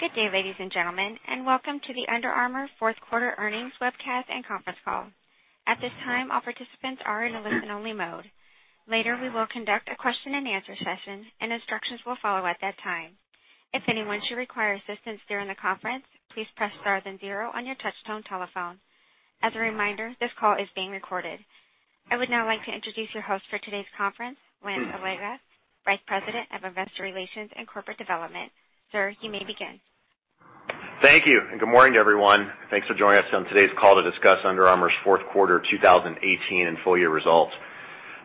Good day, ladies and gentlemen, and welcome to the Under Armour fourth quarter earnings webcast and conference call. At this time, all participants are in a listen-only mode. Later, we will conduct a question and answer session, and instructions will follow at that time. If anyone should require assistance during the conference, please press star then zero on your touchtone telephone. As a reminder, this call is being recorded. I would now like to introduce your host for today's conference, Lance Allega, Vice President of Investor Relations and Corporate Development. Sir, you may begin. Thank you, and good morning to everyone. Thanks for joining us on today's call to discuss Under Armour's fourth quarter 2018 and full-year results.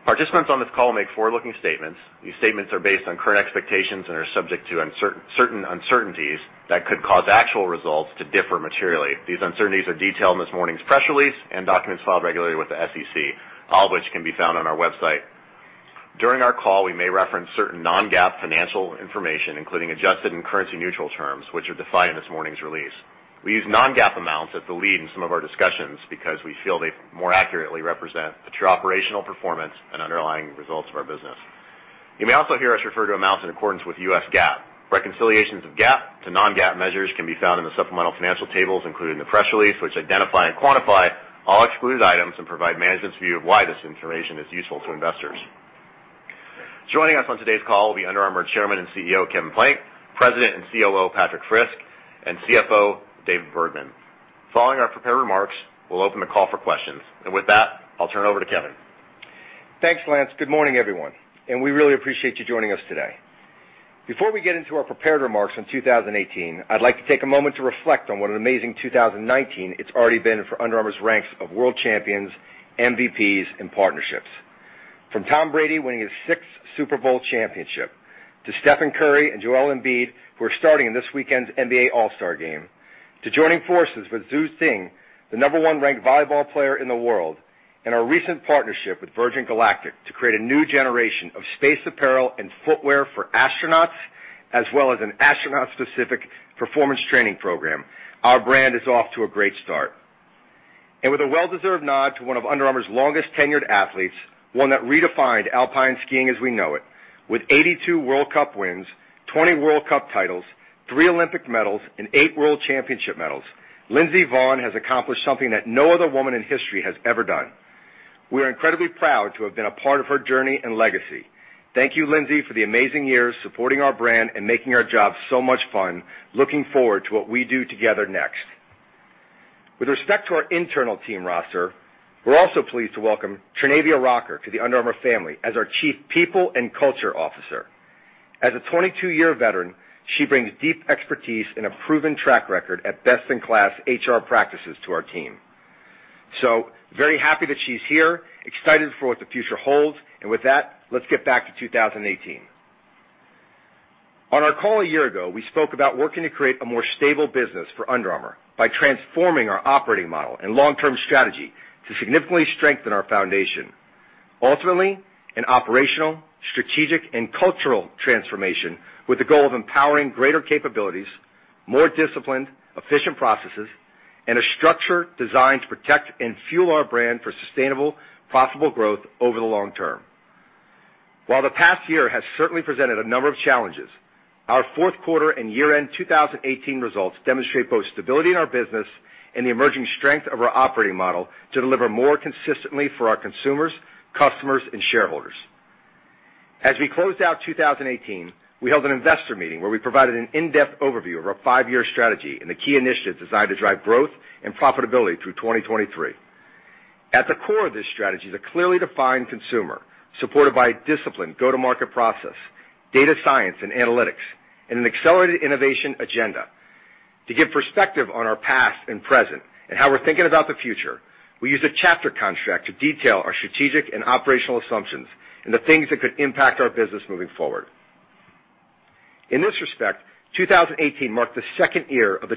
Participants on this call will make forward-looking statements. These statements are based on current expectations and are subject to certain uncertainties that could cause actual results to differ materially. These uncertainties are detailed in this morning's press release and documents filed regularly with the SEC, all of which can be found on our website. During our call, we may reference certain non-GAAP financial information, including adjusted and currency-neutral terms, which are defined in this morning's release. We use non-GAAP amounts at the lead in some of our discussions because we feel they more accurately represent the true operational performance and underlying results of our business. You may also hear us refer to amounts in accordance with US GAAP. Reconciliations of GAAP to non-GAAP measures can be found in the supplemental financial tables included in the press release, which identify and quantify all excluded items and provide management's view of why this information is useful to investors. Joining us on today's call will be Under Armour Chairman and CEO, Kevin Plank; President and COO, Patrik Frisk; and CFO, Dave Bergman. Following our prepared remarks, we'll open the call for questions. With that, I'll turn it over to Kevin. Thanks, Lance. Good morning, everyone. We really appreciate you joining us today. Before we get into our prepared remarks on 2018, I'd like to take a moment to reflect on what an amazing 2019 it's already been for Under Armour's ranks of world champions, MVPs, and partnerships. From Tom Brady winning his sixth Super Bowl championship, to Stephen Curry and Joel Embiid, who are starting in this weekend's NBA All-Star game, to joining forces with Zhu Ting, the number one ranked volleyball player in the world, and our recent partnership with Virgin Galactic to create a new generation of space apparel and footwear for astronauts, as well as an astronaut-specific performance training program, our brand is off to a great start. With a well-deserved nod to one of Under Armour's longest-tenured athletes, one that redefined alpine skiing as we know it, with 82 World Cup wins, 20 World Cup titles, three Olympic medals, and eight World Championship medals, Lindsey Vonn has accomplished something that no other woman in history has ever done. We are incredibly proud to have been a part of her journey and legacy. Thank you, Lindsey, for the amazing years supporting our brand and making our job so much fun. Looking forward to what we do together next. With respect to our internal team roster, we're also pleased to welcome Tchernavia Rocker to the Under Armour family as our Chief People and Culture Officer. As a 22-year veteran, she brings deep expertise and a proven track record at best-in-class HR practices to our team. Very happy that she's here, excited for what the future holds, and with that, let's get back to 2018. On our call a year ago, we spoke about working to create a more stable business for Under Armour by transforming our operating model and long-term strategy to significantly strengthen our foundation. Ultimately, an operational, strategic, and cultural transformation with the goal of empowering greater capabilities, more disciplined, efficient processes, and a structure designed to protect and fuel our brand for sustainable, profitable growth over the long term. While the past year has certainly presented a number of challenges, our fourth quarter and year-end 2018 results demonstrate both stability in our business and the emerging strength of our operating model to deliver more consistently for our consumers, customers, and shareholders. As we closed out 2018, we held an Investor Day where we provided an in-depth overview of our five-year strategy and the key initiatives designed to drive growth and profitability through 2023. At the core of this strategy is a clearly defined consumer, supported by a disciplined go-to-market process, data science and analytics, and an accelerated innovation agenda. To give perspective on our past and present and how we're thinking about the future, we used a chapter construct to detail our strategic and operational assumptions and the things that could impact our business moving forward. In this respect, 2018 marked the second year of the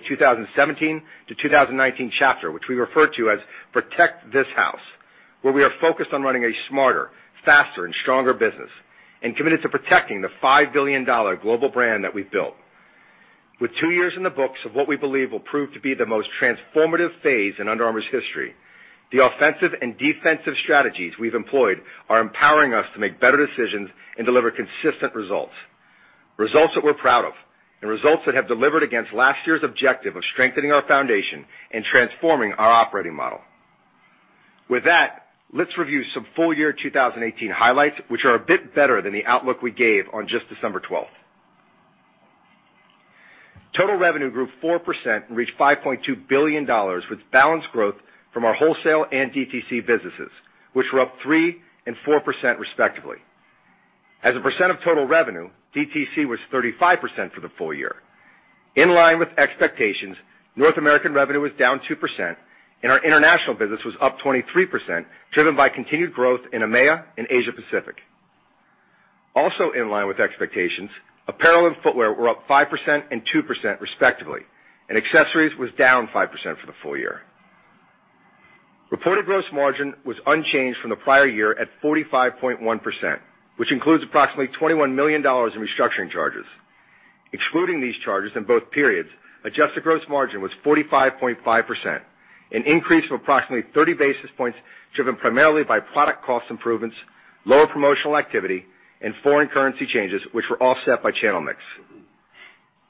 2017-2019 chapter, which we refer to as Protect This House, where we are focused on running a smarter, faster, and stronger business and committed to protecting the $5 billion global brand that we've built. With two years in the books of what we believe will prove to be the most transformative phase in Under Armour's history, the offensive and defensive strategies we've employed are empowering us to make better decisions and deliver consistent results that we're proud of and results that have delivered against last year's objective of strengthening our foundation and transforming our operating model. With that, let's review some full-year 2018 highlights, which are a bit better than the outlook we gave on just December 12th. Total revenue grew 4% and reached $5.2 billion, with balanced growth from our wholesale and DTC businesses, which were up 3% and 4% respectively. As a percent of total revenue, DTC was 35% for the full year. In line with expectations, North American revenue was down 2%, and our international business was up 23%, driven by continued growth in EMEA and Asia Pacific. In line with expectations, apparel and footwear were up 5% and 2% respectively, accessories was down 5% for the full year. Reported gross margin was unchanged from the prior year at 45.1%, which includes approximately $21 million in restructuring charges. Excluding these charges in both periods, adjusted gross margin was 45.5%, an increase of approximately 30 basis points, driven primarily by product cost improvements, lower promotional activity, and foreign currency changes, which were offset by channel mix.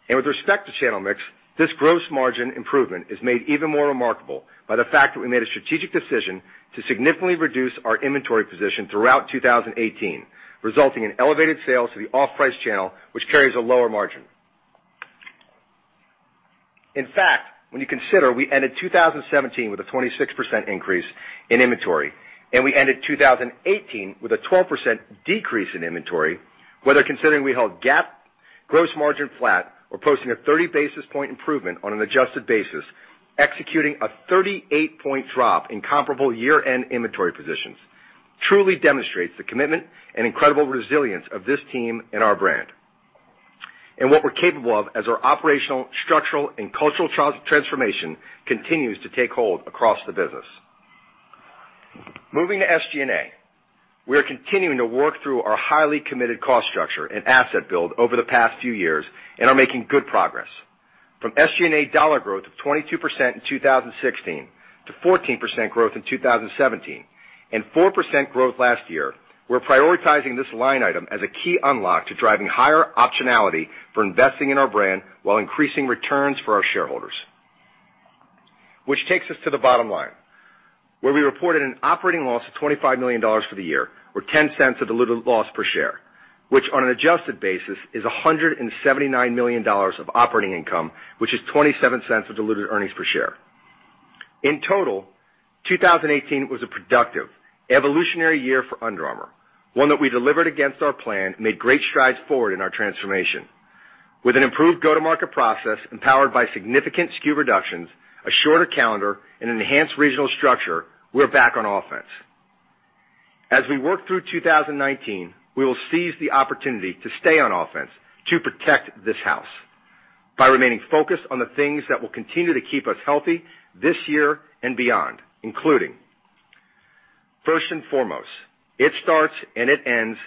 With respect to channel mix, this gross margin improvement is made even more remarkable by the fact that we made a strategic decision to significantly reduce our inventory position throughout 2018, resulting in elevated sales to the off-price channel, which carries a lower margin. When you consider we ended 2017 with a 26% increase in inventory, we ended 2018 with a 12% decrease in inventory, whether considering we held GAAP gross margin flat or posting a 30 basis point improvement on an adjusted basis, executing a 38-point drop in comparable year-end inventory positions, truly demonstrates the commitment and incredible resilience of this team and our brand and what we're capable of as our operational, structural, and cultural transformation continues to take hold across the business. Moving to SG&A, we are continuing to work through our highly committed cost structure and asset build over the past few years and are making good progress. From SG&A dollar growth of 22% in 2016 to 14% growth in 2017 and 4% growth last year, we're prioritizing this line item as a key unlock to driving higher optionality for investing in our brand while increasing returns for our shareholders. This takes us to the bottom line, where we reported an operating loss of $25 million for the year or $0.10 of diluted loss per share, which on an adjusted basis is $179 million of operating income, which is $0.27 of diluted earnings per share. In total, 2018 was a productive, evolutionary year for Under Armour, one that we delivered against our plan and made great strides forward in our transformation. With an improved go-to-market process empowered by significant SKU reductions, a shorter calendar, and enhanced regional structure, we're back on offense. Working through 2019, we will seize the opportunity to stay on offense to Protect This House by remaining focused on the things that will continue to keep us healthy this year and beyond, including, first and foremost, it starts and it ends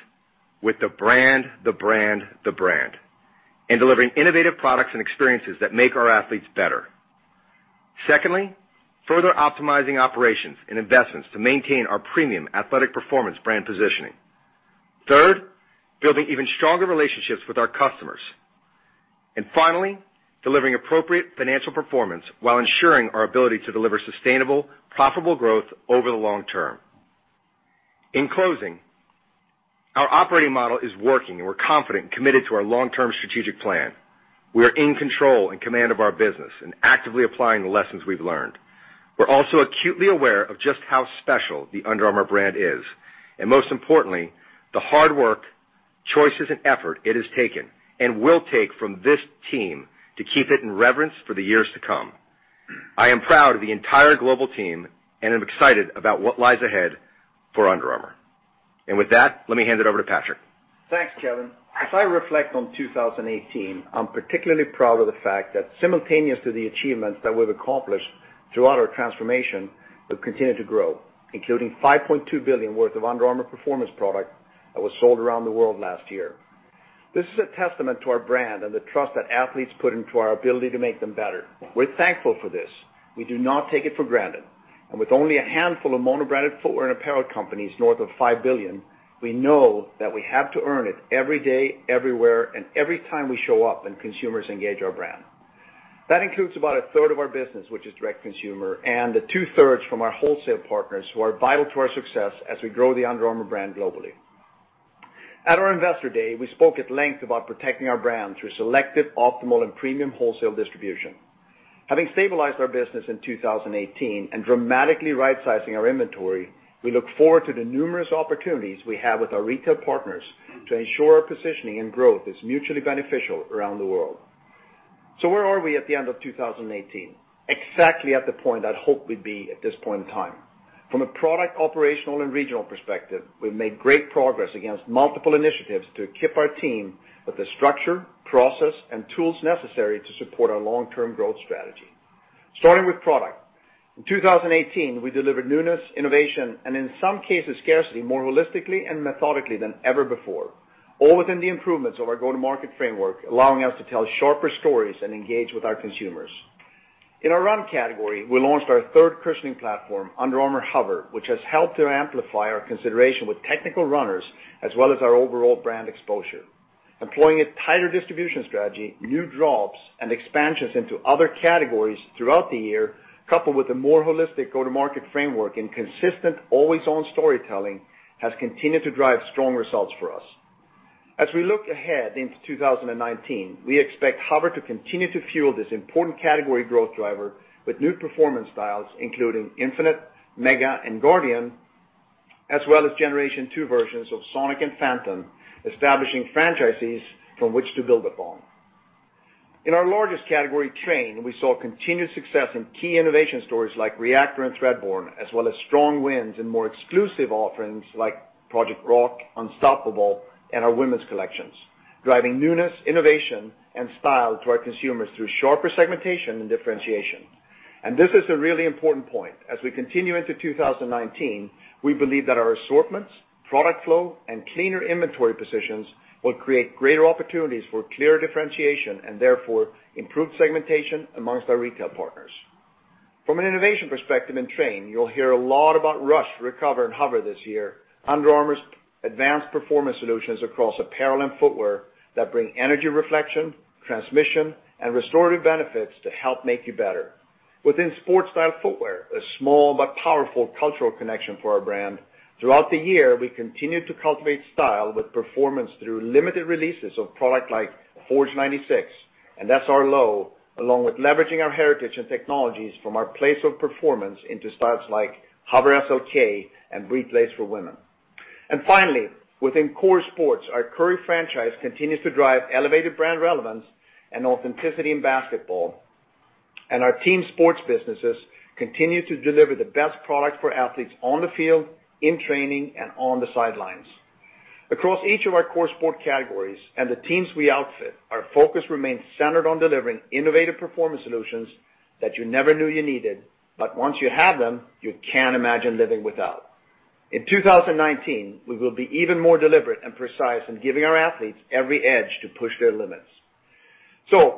with the brand, the brand, the brand, and delivering innovative products and experiences that make our athletes better. Secondly, further optimizing operations and investments to maintain our premium athletic performance brand positioning. Third, building even stronger relationships with our customers. Finally, delivering appropriate financial performance while ensuring our ability to deliver sustainable, profitable growth over the long term. In closing, our operating model is working, and we're confident and committed to our long-term strategic plan. We are in control and command of our business and actively applying the lessons we've learned. We're also acutely aware of just how special the Under Armour brand is, and most importantly, the hard work, choices, and effort it has taken and will take from this team to keep it in reverence for the years to come. I am proud of the entire global team, I'm excited about what lies ahead for Under Armour. With that, let me hand it over to Patrik. Thanks, Kevin. As I reflect on 2018, I'm particularly proud of the fact that simultaneous to the achievements that we've accomplished throughout our transformation, we've continued to grow, including $5.2 billion worth of Under Armour performance product that was sold around the world last year. This is a testament to our brand and the trust that athletes put into our ability to make them better. We're thankful for this. We do not take it for granted. With only a handful of mono-branded footwear and apparel companies north of $5 billion, we know that we have to earn it every day, everywhere, and every time we show up and consumers engage our brand. That includes about a third of our business, which is direct-to-consumer, and the two-thirds from our wholesale partners who are vital to our success as we grow the Under Armour brand globally. At our Investor Day, we spoke at length about protecting our brand through selective, optimal, and premium wholesale distribution. Having stabilized our business in 2018 and dramatically rightsizing our inventory, we look forward to the numerous opportunities we have with our retail partners to ensure our positioning and growth is mutually beneficial around the world. Where are we at the end of 2018? Exactly at the point I'd hope we'd be at this point in time. From a product, operational, and regional perspective, we've made great progress against multiple initiatives to equip our team with the structure, process, and tools necessary to support our long-term growth strategy. Starting with product. In 2018, we delivered newness, innovation, and in some cases, scarcity more holistically and methodically than ever before, all within the improvements of our go-to-market framework, allowing us to tell sharper stories and engage with our consumers. In our run category, we launched our third cushioning platform, Under Armour HOVR, which has helped to amplify our consideration with technical runners as well as our overall brand exposure. Employing a tighter distribution strategy, new drops, and expansions into other categories throughout the year, coupled with a more holistic go-to-market framework and consistent always-on storytelling, has continued to drive strong results for us. As we look ahead into 2019, we expect HOVR to continue to fuel this important category growth driver with new performance styles including Infinite, Mega, and Guardian, as well as generation two versions of Sonic and Phantom, establishing franchises from which to build upon. In our largest category, train, we saw continued success in key innovation stories like Reactor and Threadborne, as well as strong wins in more exclusive offerings like Project Rock, Unstoppable, and our women's collections, driving newness, innovation, and style to our consumers through sharper segmentation and differentiation. This is a really important point. As we continue into 2019, we believe that our assortments, product flow, and cleaner inventory positions will create greater opportunities for clear differentiation, and therefore improved segmentation amongst our retail partners. From an innovation perspective in train, you'll hear a lot about UA RUSH, UA Recover, and HOVR this year. Under Armour's advanced performance solutions across apparel and footwear that bring energy reflection, transmission, and restorative benefits to help make you better. Within sports style footwear, a small but powerful cultural connection for our brand, throughout the year, we continued to cultivate style with performance through limited releases of product like Forge 96 and SRLo, along with leveraging our heritage and technologies from our place of performance into styles like HOVR SLK and Replay for women. Finally, within core sports, our Curry franchise continues to drive elevated brand relevance and authenticity in basketball. Our team sports businesses continue to deliver the best product for athletes on the field, in training, and on the sidelines. Across each of our core sport categories and the teams we outfit, our focus remains centered on delivering innovative performance solutions that you never knew you needed, but once you have them, you can't imagine living without. In 2019, we will be even more deliberate and precise in giving our athletes every edge to push their limits.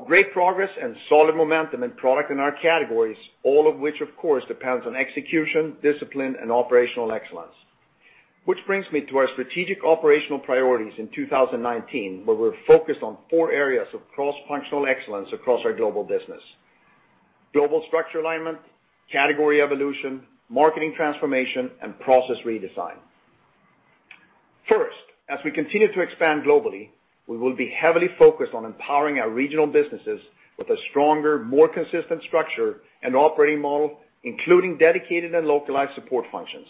Great progress and solid momentum in product in our categories, all of which of course depends on execution, discipline, and operational excellence. Which brings me to our strategic operational priorities in 2019, where we're focused on four areas of cross-functional excellence across our global business. Global Structure Alignment, Category Evolution, Marketing Transformation, and Process Redesign. First, as we continue to expand globally, we will be heavily focused on empowering our regional businesses with a stronger, more consistent structure and operating model, including dedicated and localized support functions.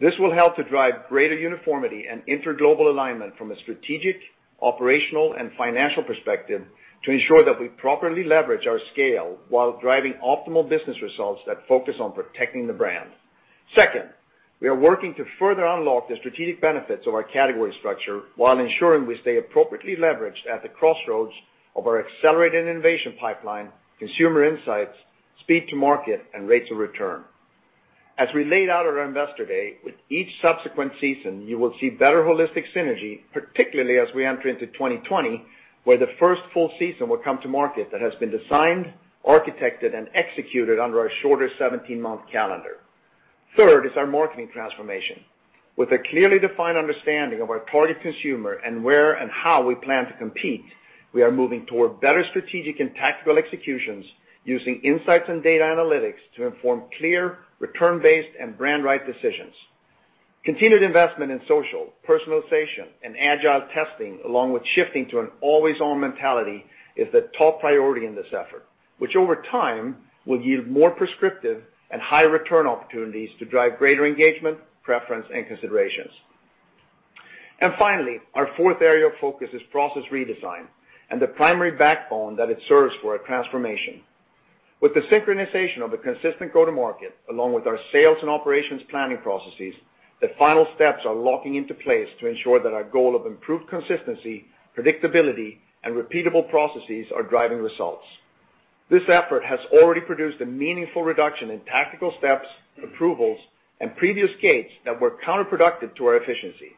This will help to drive greater uniformity and inter-global alignment from a strategic, operational, and financial perspective to ensure that we properly leverage our scale while driving optimal business results that focus on protecting the brand. Second, we are working to further unlock the strategic benefits of our category structure while ensuring we stay appropriately leveraged at the crossroads of our accelerated innovation pipeline, consumer insights, speed to market, and rates of return. As we laid out at our Investor Day, with each subsequent season, you will see better holistic synergy, particularly as we enter into 2020, where the first full season will come to market that has been designed, architected, and executed under our shorter 17-month calendar. Third is our Marketing Transformation. With a clearly defined understanding of our target consumer and where and how we plan to compete, we are moving toward better strategic and tactical executions using insights and data analytics to inform clear, return-based, and brand-right decisions. Continued investment in social, personalization, and agile testing, along with shifting to an always-on mentality, is the top priority in this effort, which over time will yield more prescriptive and high return opportunities to drive greater engagement, preference, and considerations. Finally, our fourth area of focus is process redesign and the primary backbone that it serves for our transformation. With the synchronization of a consistent go-to-market, along with our sales and operations planning processes, the final steps are locking into place to ensure that our goal of improved consistency, predictability, and repeatable processes are driving results. This effort has already produced a meaningful reduction in tactical steps, approvals, and previous gates that were counterproductive to our efficiency.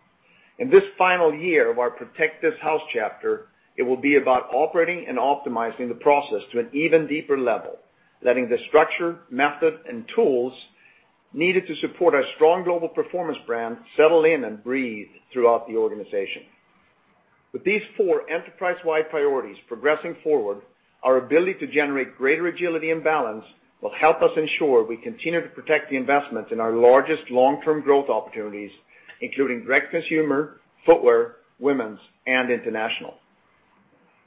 In this final year of our Protect This House chapter, it will be about operating and optimizing the process to an even deeper level, letting the structure, method, and tools needed to support our strong global performance brand settle in and breathe throughout the organization. With these four enterprise-wide priorities progressing forward, our ability to generate greater agility and balance will help us ensure we continue to protect the investment in our largest long-term growth opportunities, including direct consumer, footwear, women's, and international.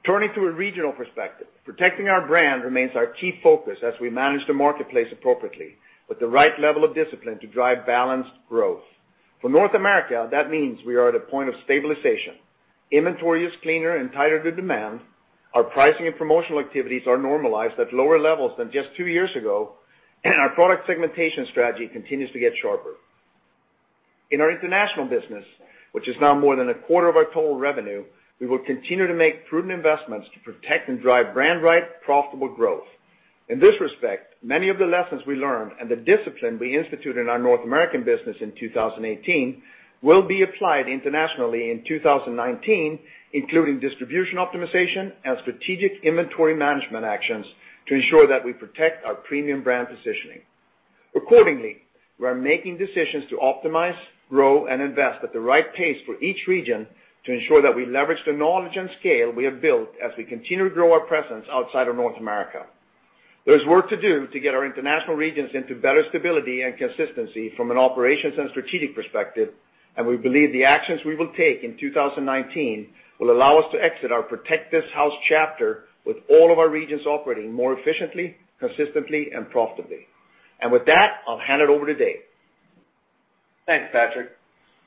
Turning to a regional perspective, protecting our brand remains our key focus as we manage the marketplace appropriately with the right level of discipline to drive balanced growth. For North America, that means we are at a point of stabilization. Inventory is cleaner and tighter to demand. Our pricing and promotional activities are normalized at lower levels than just two years ago, our product segmentation strategy continues to get sharper. In our international business, which is now more than a quarter of our total revenue, we will continue to make prudent investments to protect and drive brand-right, profitable growth. In this respect, many of the lessons we learned and the discipline we instituted in our North American business in 2018 will be applied internationally in 2019, including distribution optimization and strategic inventory management actions to ensure that we protect our premium brand positioning. Accordingly, we are making decisions to optimize, grow, and invest at the right pace for each region to ensure that we leverage the knowledge and scale we have built as we continue to grow our presence outside of North America. There's work to do to get our international regions into better stability and consistency from an operations and strategic perspective, we believe the actions we will take in 2019 will allow us to exit our Protect This House chapter with all of our regions operating more efficiently, consistently, and profitably. With that, I'll hand it over to Dave. Thanks, Patrik.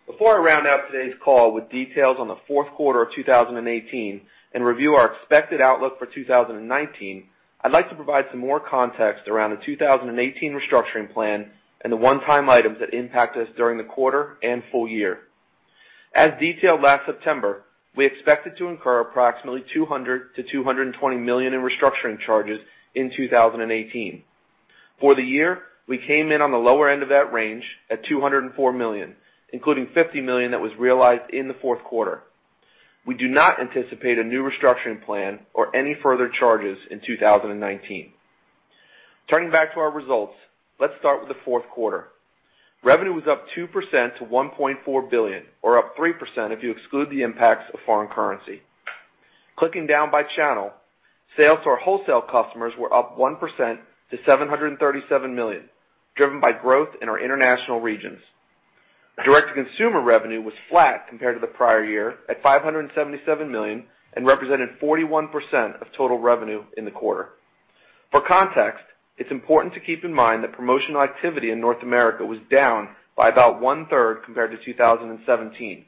Before I round out today's call with details on the fourth quarter of 2018 and review our expected outlook for 2019, I'd like to provide some more context around the 2018 restructuring plan and the one-time items that impact us during the quarter and full year. As detailed last September, we expected to incur approximately $200 million-$220 million in restructuring charges in 2018. For the year, we came in on the lower end of that range at $204 million, including $50 million that was realized in the fourth quarter. We do not anticipate a new restructuring plan or any further charges in 2019. Turning back to our results, let's start with the fourth quarter. Revenue was up 2% to $1.4 billion, or up 3% if you exclude the impacts of foreign currency. Clicking down by channel, sales to our wholesale customers were up 1% to $737 million, driven by growth in our international regions. Direct-to-consumer revenue was flat compared to the prior year at $577 million and represented 41% of total revenue in the quarter. For context, it's important to keep in mind that promotional activity in North America was down by about one-third compared to 2017,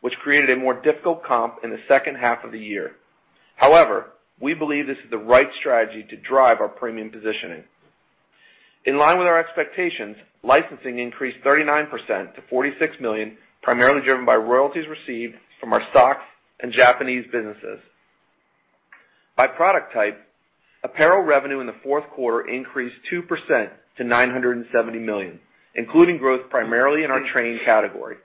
which created a more difficult comp in the second half of the year. However, we believe this is the right strategy to drive our premium positioning. In line with our expectations, licensing increased 39% to $46 million, primarily driven by royalties received from our socks and Japanese businesses. By product type, apparel revenue in the fourth quarter increased 2% to $970 million, including growth primarily in our training category.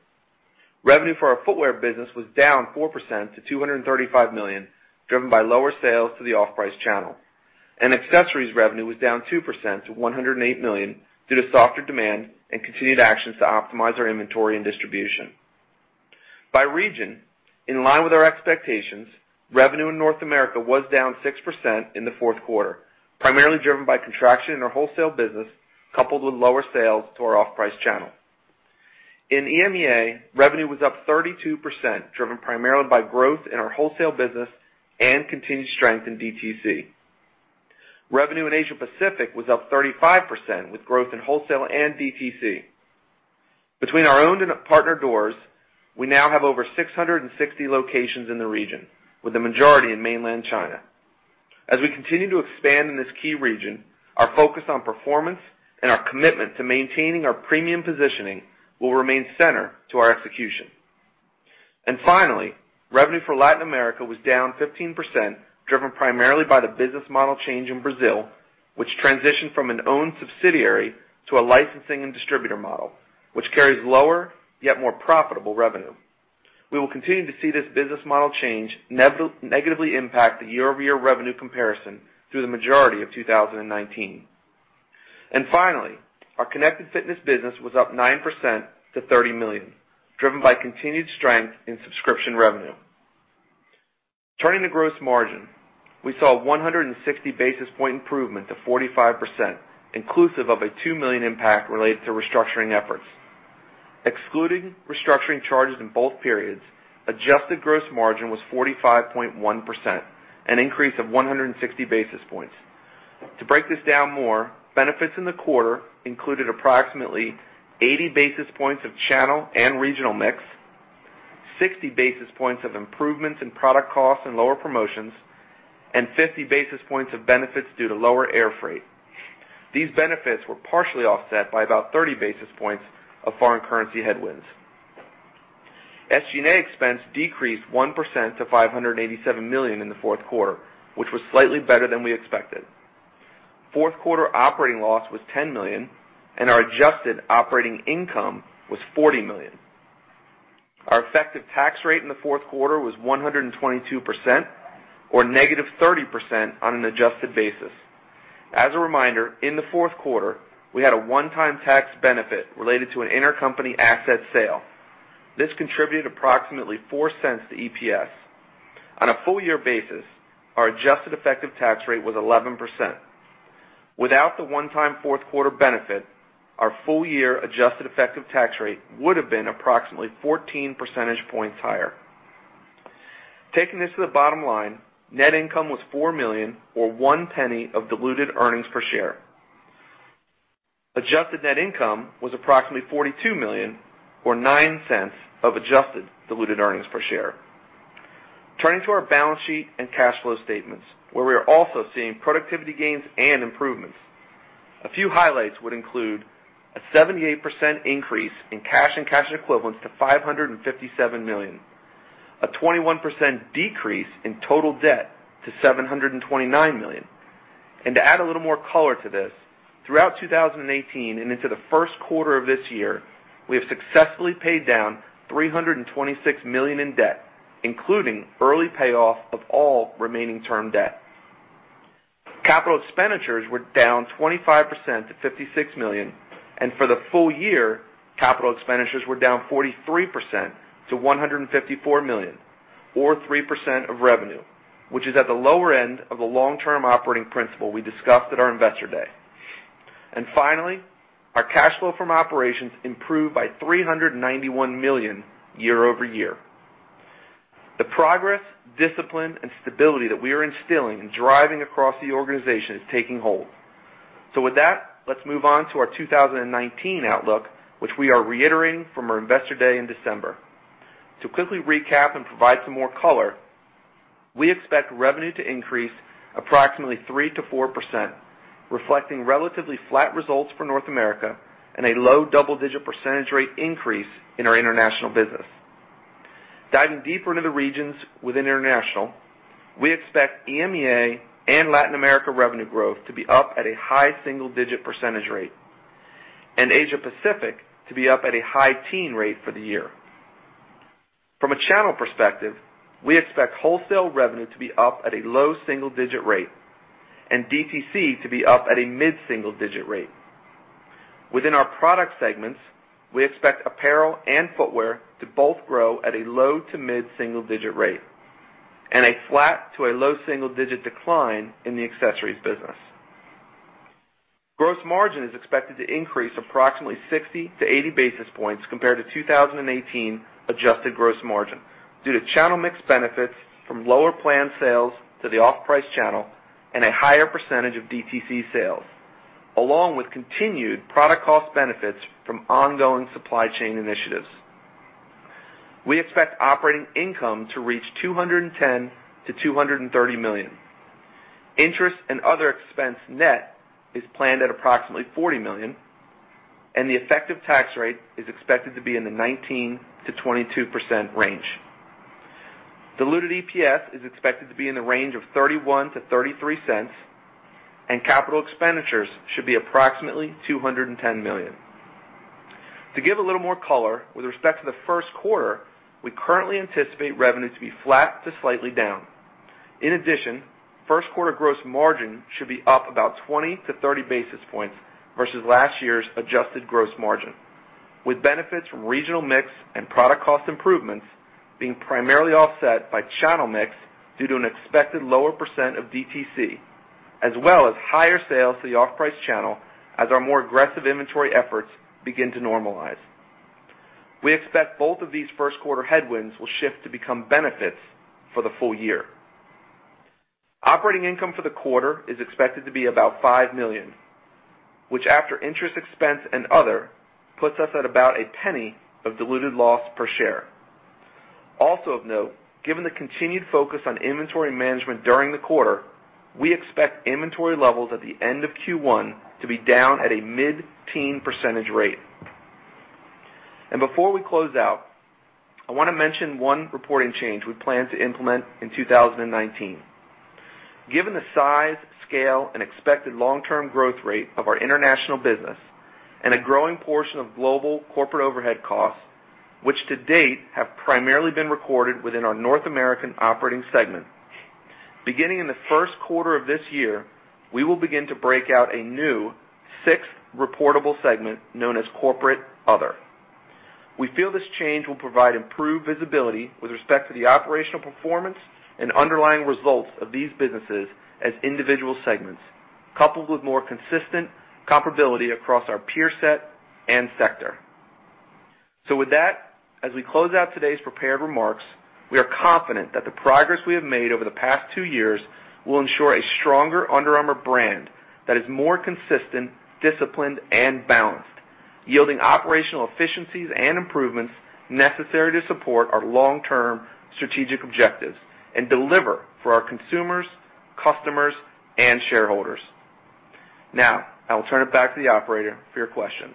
Revenue for our footwear business was down 4% to $235 million, driven by lower sales to the off-price channel. Accessories revenue was down 2% to $108 million, due to softer demand and continued actions to optimize our inventory and distribution. By region, in line with our expectations, revenue in North America was down 6% in the fourth quarter, primarily driven by contraction in our wholesale business, coupled with lower sales to our off-price channel. In EMEA, revenue was up 32%, driven primarily by growth in our wholesale business and continued strength in DTC. Revenue in Asia Pacific was up 35% with growth in wholesale and DTC. Between our owned and partnered doors, we now have over 660 locations in the region, with the majority in mainland China. As we continue to expand in this key region, our focus on performance and our commitment to maintaining our premium positioning will remain center to our execution. Finally, revenue for Latin America was down 15%, driven primarily by the business model change in Brazil, which transitioned from an owned subsidiary to a licensing and distributor model, which carries lower, yet more profitable revenue. We will continue to see this business model change negatively impact the year-over-year revenue comparison through the majority of 2019. Finally, our Connected Fitness business was up 9% to $30 million, driven by continued strength in subscription revenue. Turning to gross margin, we saw a 160 basis-point improvement to 45%, inclusive of a $2 million impact related to restructuring efforts. Excluding restructuring charges in both periods, adjusted gross margin was 45.1%, an increase of 160 basis points. To break this down more, benefits in the quarter included approximately 80 basis points of channel and regional mix, 60 basis points of improvements in product costs and lower promotions, and 50 basis points of benefits due to lower air freight. These benefits were partially offset by about 30 basis points of foreign currency headwinds. SG&A expense decreased 1% to $587 million in the fourth quarter, which was slightly better than we expected. Fourth quarter operating loss was $10 million, and our adjusted operating income was $40 million. Our effective tax rate in the fourth quarter was 122%, or -30% on an adjusted basis. As a reminder, in the fourth quarter, we had a one-time tax benefit related to an intercompany asset sale. This contributed approximately $0.04 to EPS. On a full-year basis, our adjusted effective tax rate was 11%. Without the one-time fourth quarter benefit, our full-year adjusted effective tax rate would have been approximately 14 percentage points higher. Taking this to the bottom line, net income was $4 million or $0.01 of diluted earnings per share. Adjusted net income was approximately $42 million or $0.09 of adjusted diluted earnings per share. Turning to our balance sheet and cash flow statements, where we are also seeing productivity gains and improvements. A few highlights would include a 78% increase in cash and cash equivalents to $557 million, a 21% decrease in total debt to $729 million. To add a little more color to this, throughout 2018 and into the first quarter of this year, we have successfully paid down $326 million in debt, including early payoff of all remaining term debt. Capital expenditures were down 25% to $56 million, and for the full year, capital expenditures were down 43% to $154 million or 3% of revenue, which is at the lower end of the long-term operating principle we discussed at our Investor Day. Finally, our cash flow from operations improved by $391 million year-over-year. The progress, discipline, and stability that we are instilling and driving across the organization is taking hold. With that, let's move on to our 2019 outlook, which we are reiterating from our Investor Day in December. To quickly recap and provide some more color. We expect revenue to increase approximately 3% to 4%, reflecting relatively flat results for North America and a low double-digit percentage rate increase in our international business. Diving deeper into the regions within international, we expect EMEA and Latin America revenue growth to be up at a high single-digit percentage rate, and Asia Pacific to be up at a high teen rate for the year. From a channel perspective, we expect wholesale revenue to be up at a low single-digit rate, and DTC to be up at a mid-single digit rate. Within our product segments, we expect apparel and footwear to both grow at a low to mid-single digit rate, and a flat to a low single-digit decline in the accessories business. Gross margin is expected to increase approximately 60 to 80 basis points compared to 2018 adjusted gross margin due to channel mix benefits from lower planned sales to the off-price channel and a higher percentage of DTC sales, along with continued product cost benefits from ongoing supply chain initiatives. We expect operating income to reach $210 million-$230 million. Interest and other expense net is planned at approximately $40 million. The effective tax rate is expected to be in the 19%-22% range. Diluted EPS is expected to be in the range of $0.31-$0.33. Capital expenditures should be approximately $210 million. To give a little more color, with respect to the first quarter, we currently anticipate revenue to be flat to slightly down. In addition, first-quarter gross margin should be up about 20 to 30 basis points versus last year's adjusted gross margin, with benefits from regional mix and product cost improvements being primarily offset by channel mix due to an expected lower percent of DTC, as well as higher sales to the off-price channel as our more aggressive inventory efforts begin to normalize. We expect both of these first-quarter headwinds will shift to become benefits for the full year. Operating income for the quarter is expected to be about $5 million, which after interest expense and other, puts us at about a $0.01 of diluted loss per share. Also of note, given the continued focus on inventory management during the quarter, we expect inventory levels at the end of Q1 to be down at a mid-teen percentage rate. Before we close out, I want to mention one reporting change we plan to implement in 2019. Given the size, scale, and expected long-term growth rate of our international business and a growing portion of global corporate overhead costs, which to date have primarily been recorded within our North American operating segment, beginning in the first quarter of this year, we will begin to break out a new sixth reportable segment known as Corporate Other. We feel this change will provide improved visibility with respect to the operational performance and underlying results of these businesses as individual segments, coupled with more consistent comparability across our peer set and sector. With that, as we close out today's prepared remarks, we are confident that the progress we have made over the past two years will ensure a stronger Under Armour brand that is more consistent, disciplined, and balanced, yielding operational efficiencies and improvements necessary to support our long-term strategic objectives and deliver for our consumers, customers, and shareholders. Now, I will turn it back to the operator for your questions.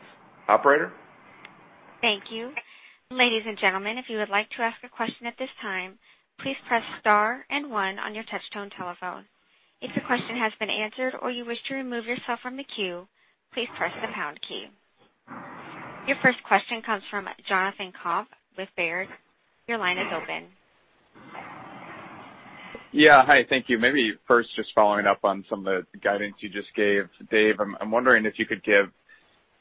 Operator? Thank you. Ladies and gentlemen, if you would like to ask a question at this time, please press star and one on your touch-tone telephone. If your question has been answered or you wish to remove yourself from the queue, please press the pound key. Your first question comes from Jonathan Komp with Baird. Your line is open. Yeah. Hi, thank you. Maybe first, just following up on some of the guidance you just gave, Dave, I'm wondering if you could give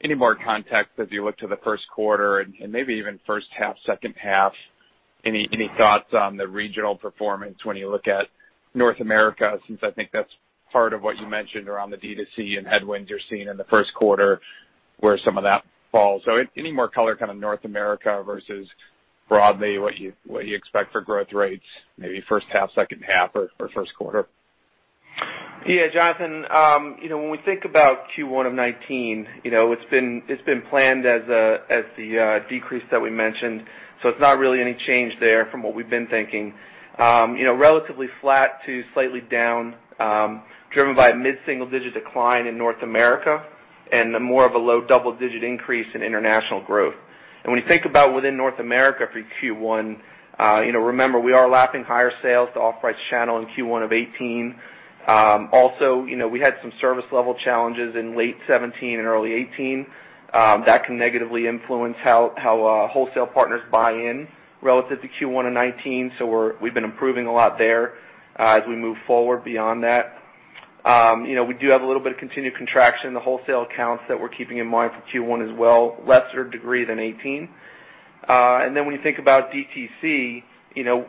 any more context as you look to the first quarter and maybe even first half, second half. Any thoughts on the regional performance when you look at North America, since I think that's part of what you mentioned around the DTC and headwinds you're seeing in the first quarter where some of that falls. Any more color, kind of North America versus broadly what you expect for growth rates, maybe first half, second half, or first quarter? Yeah, Jonathan. When we think about Q1 of 2019, it's been planned as the decrease that we mentioned, it's not really any change there from what we've been thinking. Relatively flat to slightly down, driven by a mid-single digit decline in North America and more of a low double-digit increase in international growth. When you think about within North America for Q1, remember we are lapping higher sales to off-price channel in Q1 of 2018. Also, we had some service level challenges in late 2017 and early 2018. That can negatively influence how wholesale partners buy in relative to Q1 of 2019, we've been improving a lot there. As we move forward beyond that, we do have a little bit of continued contraction in the wholesale accounts that we're keeping in mind for Q1 as well, lesser degree than 2018. When you think about DTC,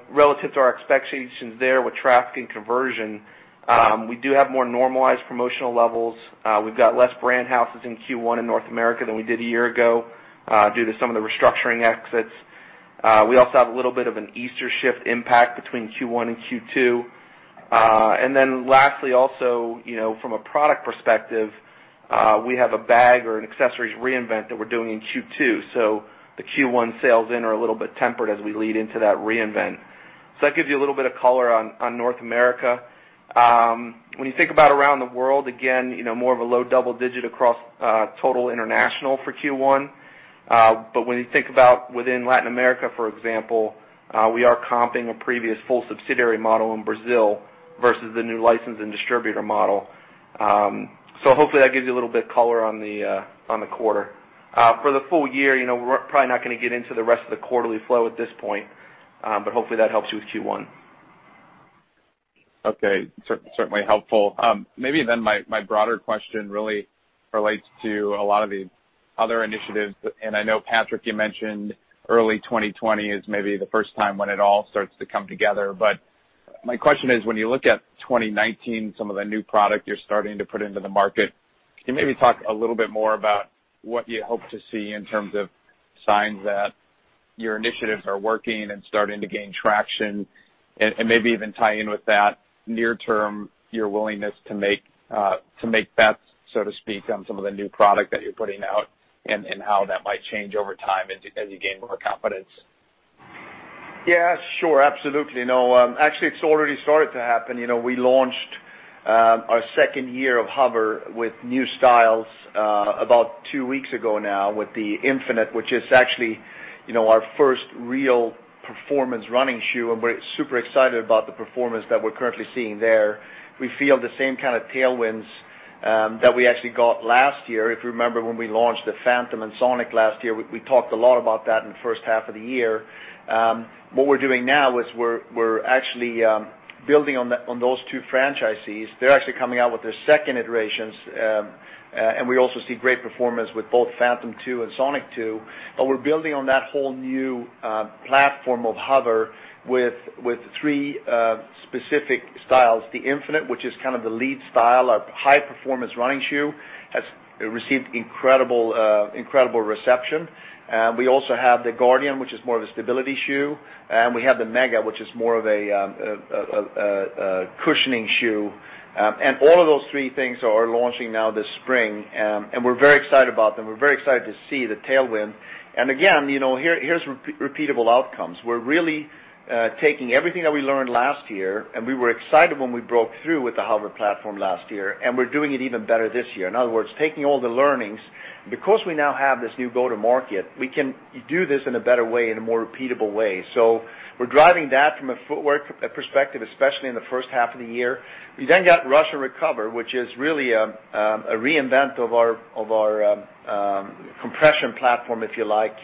relative to our expectations there with traffic and conversion, we do have more normalized promotional levels. We've got less brand houses in Q1 in North America than we did a year ago due to some of the restructuring exits. We also have a little bit of an Easter shift impact between Q1 and Q2. Lastly, also from a product perspective, we have a bag or an accessories reinvent that we're doing in Q2. The Q1 sales in are a little bit tempered as we lead into that reinvent. That gives you a little bit of color on North America. When you think about around the world, again, more of a low double digit across total international for Q1. When you think about within Latin America, for example, we are comping a previous full subsidiary model in Brazil versus the new license and distributor model. Hopefully that gives you a little bit of color on the quarter. For the full year, we're probably not going to get into the rest of the quarterly flow at this point. Hopefully that helps you with Q1. Okay. Certainly helpful. Maybe my broader question really relates to a lot of the other initiatives, and I know Patrik, you mentioned early 2020 is maybe the first time when it all starts to come together. My question is, when you look at 2019, some of the new product you're starting to put into the market, can you maybe talk a little bit more about what you hope to see in terms of signs that your initiatives are working and starting to gain traction? Maybe even tie in with that near term, your willingness to make bets, so to speak, on some of the new product that you're putting out and how that might change over time as you gain more confidence. Yeah, sure. Absolutely no. Actually, it's already started to happen. We launched our second year of HOVR with new styles about two weeks ago now with the Infinite, which is actually our first real performance running shoe. We're super excited about the performance that we're currently seeing there. We feel the same kind of tailwinds that we actually got last year. If you remember when we launched the Phantom and Sonic last year, we talked a lot about that in the first half of the year. What we're doing now is we're actually building on those two franchises. They're actually coming out with their second iterations. We also see great performance with both Phantom 2 and Sonic 2. We're building on that whole new platform of HOVR with three specific styles. The Infinite, which is kind of the lead style, a high-performance running shoe, has received incredible reception. We also have the Guardian, which is more of a stability shoe, and we have the Mega, which is more of a cushioning shoe. All of those three things are launching now this spring. We're very excited about them. We're very excited to see the tailwind. Again, here's repeatable outcomes. We're really taking everything that we learned last year, and we were excited when we broke through with the HOVR platform last year, and we're doing it even better this year. In other words, taking all the learnings. We now have this new go-to-market, we can do this in a better way, in a more repeatable way. We're driving that from a footwork perspective, especially in the first half of the year. We got UA RUSH and UA Recover, which is really a reinvent of our compression platform, if you like.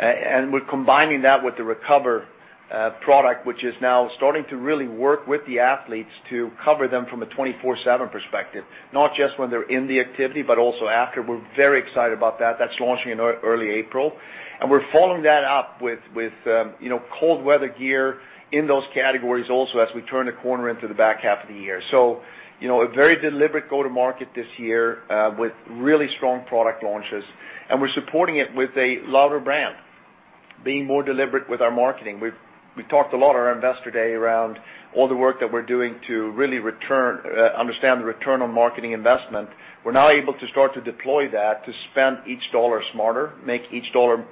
We're combining that with the UA Recover product, which is now starting to really work with the athletes to cover them from a 24/7 perspective, not just when they're in the activity, but also after. We're very excited about that. That's launching in early April. We're following that up with ColdGear Reactor in those categories also as we turn the corner into the back half of the year. A very deliberate go-to-market this year with really strong product launches. We're supporting it with a louder brand, being more deliberate with our marketing. We talked a lot at our Investor Day around all the work that we're doing to really understand the return on marketing investment. We're now able to start to deploy that to spend each dollar smarter, make each dollar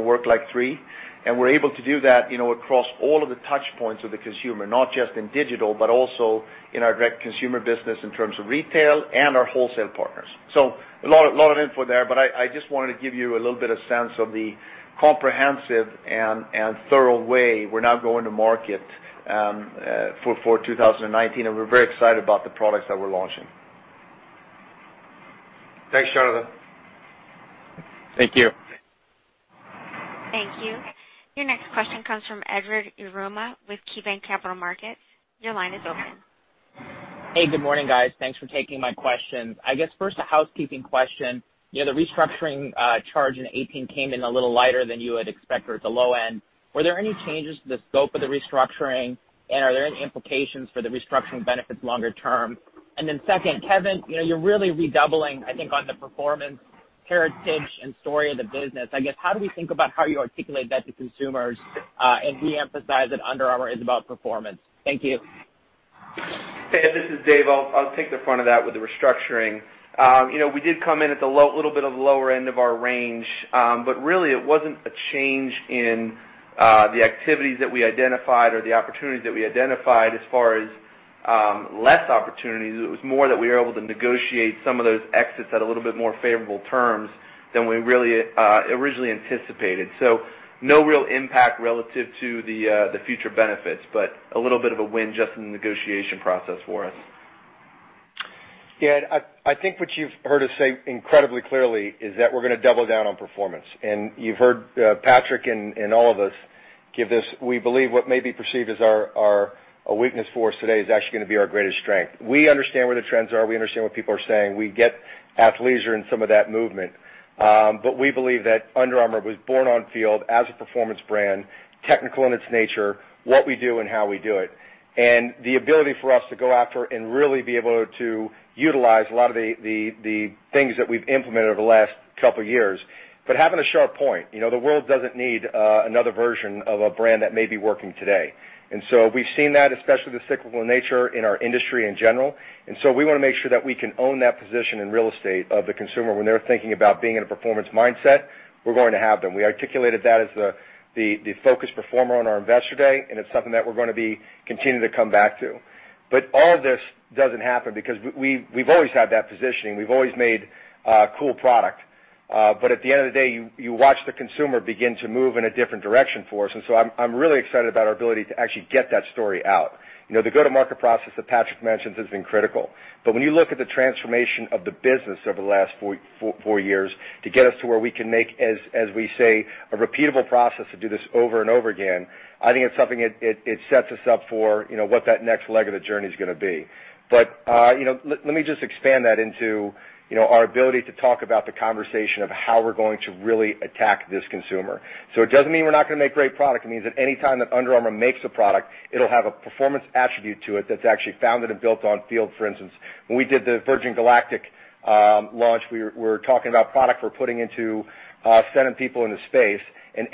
work like three, and we're able to do that across all of the touch points of the consumer, not just in digital, but also in our direct consumer business in terms of retail and our wholesale partners. A lot of info there, but I just wanted to give you a little bit of sense of the comprehensive and thorough way we're now going to market for 2019. We're very excited about the products that we're launching. Thanks, Jonathan. Thank you. Thank you. Your next question comes from Edward Yruma with KeyBanc Capital Markets. Your line is open. Hey, good morning, guys. Thanks for taking my questions. I guess first, a housekeeping question. The restructuring charge in 2018 came in a little lighter than you would expect, or at the low end. Were there any changes to the scope of the restructuring? Are there any implications for the restructuring benefits longer term? Second, Kevin, you're really redoubling, I think, on the performance heritage and story of the business. I guess, how do we think about how you articulate that to consumers and re-emphasize that Under Armour is about performance? Thank you. Hey, this is Dave. I'll take the front of that with the restructuring. We did come in at the little bit of the lower end of our range. Really, it wasn't a change in the activities that we identified or the opportunities that we identified as far as less opportunities. It was more that we were able to negotiate some of those exits at a little bit more favorable terms than we originally anticipated. No real impact relative to the future benefits, but a little bit of a win just in the negotiation process for us. Yeah, I think what you've heard us say incredibly clearly is that we're going to double down on performance. You've heard Patrik and all of us give this. We believe what may be perceived as our weakness for us today is actually going to be our greatest strength. We understand where the trends are. We understand what people are saying. We get athleisure and some of that movement. We believe that Under Armour was born on field as a performance brand, technical in its nature, what we do and how we do it. The ability for us to go after and really be able to utilize a lot of the things that we've implemented over the last couple of years, but having a sharp point. The world doesn't need another version of a brand that may be working today. We've seen that, especially the cyclical nature in our industry in general. We want to make sure that we can own that position in real estate of the consumer when they're thinking about being in a performance mindset, we're going to have them. We articulated that as the focused performer on our Investor Day, it's something that we're going to be continuing to come back to. All this doesn't happen because we've always had that positioning. We've always made cool product. At the end of the day, you watch the consumer begin to move in a different direction for us. I'm really excited about our ability to actually get that story out. The go-to-market process that Patrik mentioned has been critical. When you look at the transformation of the business over the last four years to get us to where we can make, as we say, a repeatable process to do this over and over again, I think it's something that sets us up for what that next leg of the journey is going to be. Let me just expand that into our ability to talk about the conversation of how we're going to really attack this consumer. It doesn't mean we're not going to make great product. It means that anytime that Under Armour makes a product, it'll have a performance attribute to it that's actually founded and built on field. For instance, when we did the Virgin Galactic launch, we were talking about product we're putting into sending people into space,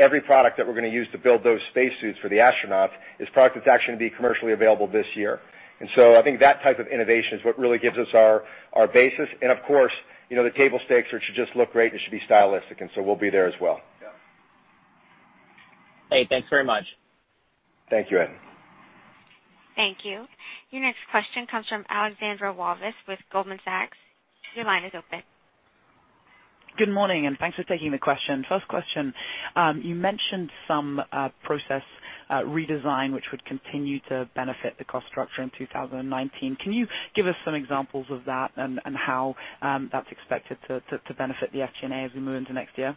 every product that we're going to use to build those space suits for the astronauts is product that's actually going to be commercially available this year. I think that type of innovation is what really gives us our basis. Of course, the table stakes are it should just look great and it should be stylistic, so we'll be there as well. Yeah. Hey, thanks very much. Thank you, Edward. Thank you. Your next question comes from Alexandra Walvis with Goldman Sachs. Your line is open. Good morning. Thanks for taking the question. First question, you mentioned some process redesign which would continue to benefit the cost structure in 2019. Can you give us some examples of that and how that's expected to benefit the SG&A as we move into next year?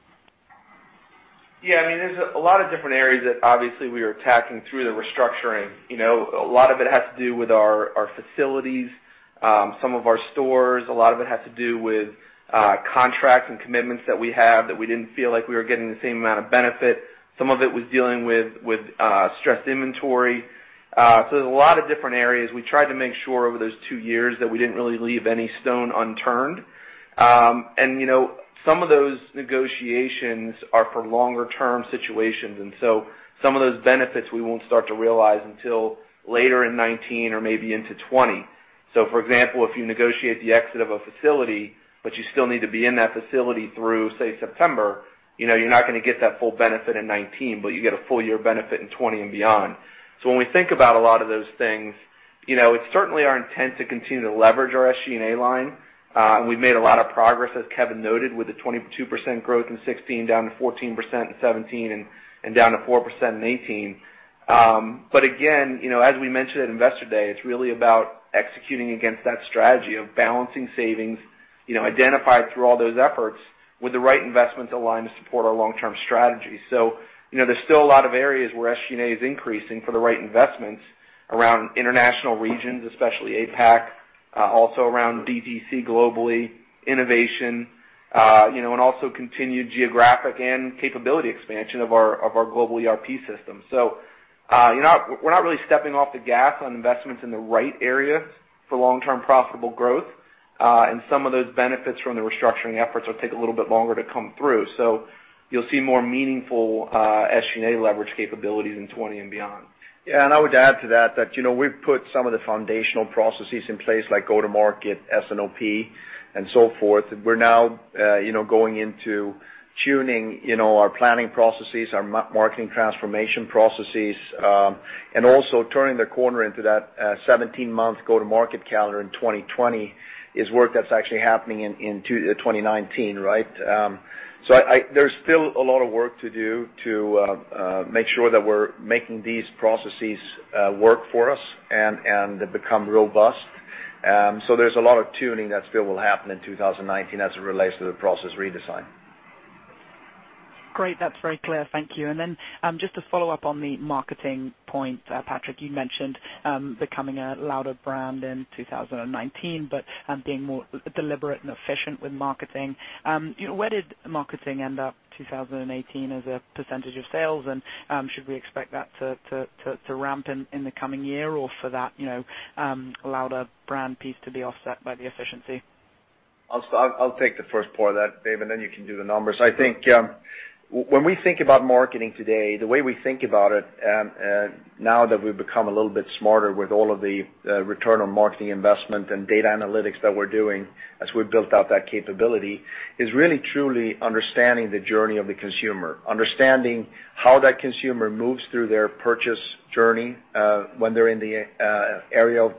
Yeah, there's a lot of different areas that obviously we are attacking through the restructuring. A lot of it has to do with our facilities, some of our stores. A lot of it has to do with contracts and commitments that we have that we didn't feel like we were getting the same amount of benefit. Some of it was dealing with stressed inventory. There's a lot of different areas. We tried to make sure over those two years that we didn't really leave any stone unturned. Some of those negotiations are for longer-term situations, some of those benefits we won't start to realize until later in 2019 or maybe into 2020. For example, if you negotiate the exit of a facility, but you still need to be in that facility through, say, September, you're not going to get that full benefit in 2019, but you get a full year benefit in 2020 and beyond. When we think about a lot of those things, it's certainly our intent to continue to leverage our SG&A line. We've made a lot of progress, as Kevin noted, with the 22% growth in 2016, down to 14% in 2017, and down to 4% in 2018. Again, as we mentioned at Investor Day, it's really about executing against that strategy of balancing savings identified through all those efforts with the right investments aligned to support our long-term strategy. There's still a lot of areas where SG&A is increasing for the right investments around international regions, especially APAC, also around DTC globally, innovation, and also continued geographic and capability expansion of our global ERP system. We're not really stepping off the gas on investments in the right areas for long-term profitable growth. Some of those benefits from the restructuring efforts will take a little bit longer to come through. You'll see more meaningful SG&A leverage capabilities in 2020 and beyond. I would add to that we've put some of the foundational processes in place, like go-to-market, S&OP, and so forth. We're now going into tuning our planning processes, our marketing transformation processes, and also turning the corner into that 17-month go-to-market calendar in 2020 is work that's actually happening in 2019, right? There's still a lot of work to do to make sure that we're making these processes work for us and become robust. There's a lot of tuning that still will happen in 2019 as it relates to the process redesign. Great. That's very clear. Thank you. Then just to follow up on the marketing point, Patrik, you mentioned becoming a louder brand in 2019, but being more deliberate and efficient with marketing. Where did marketing end up 2018 as a percentage of sales? Should we expect that to ramp in the coming year or for that louder brand piece to be offset by the efficiency? I'll take the first part of that, Dave. Then you can do the numbers. I think when we think about marketing today, the way we think about it, now that we've become a little bit smarter with all of the return on marketing investment and data analytics that we're doing as we built out that capability, is really truly understanding the journey of the consumer, understanding how that consumer moves through their purchase journey when they're in the area of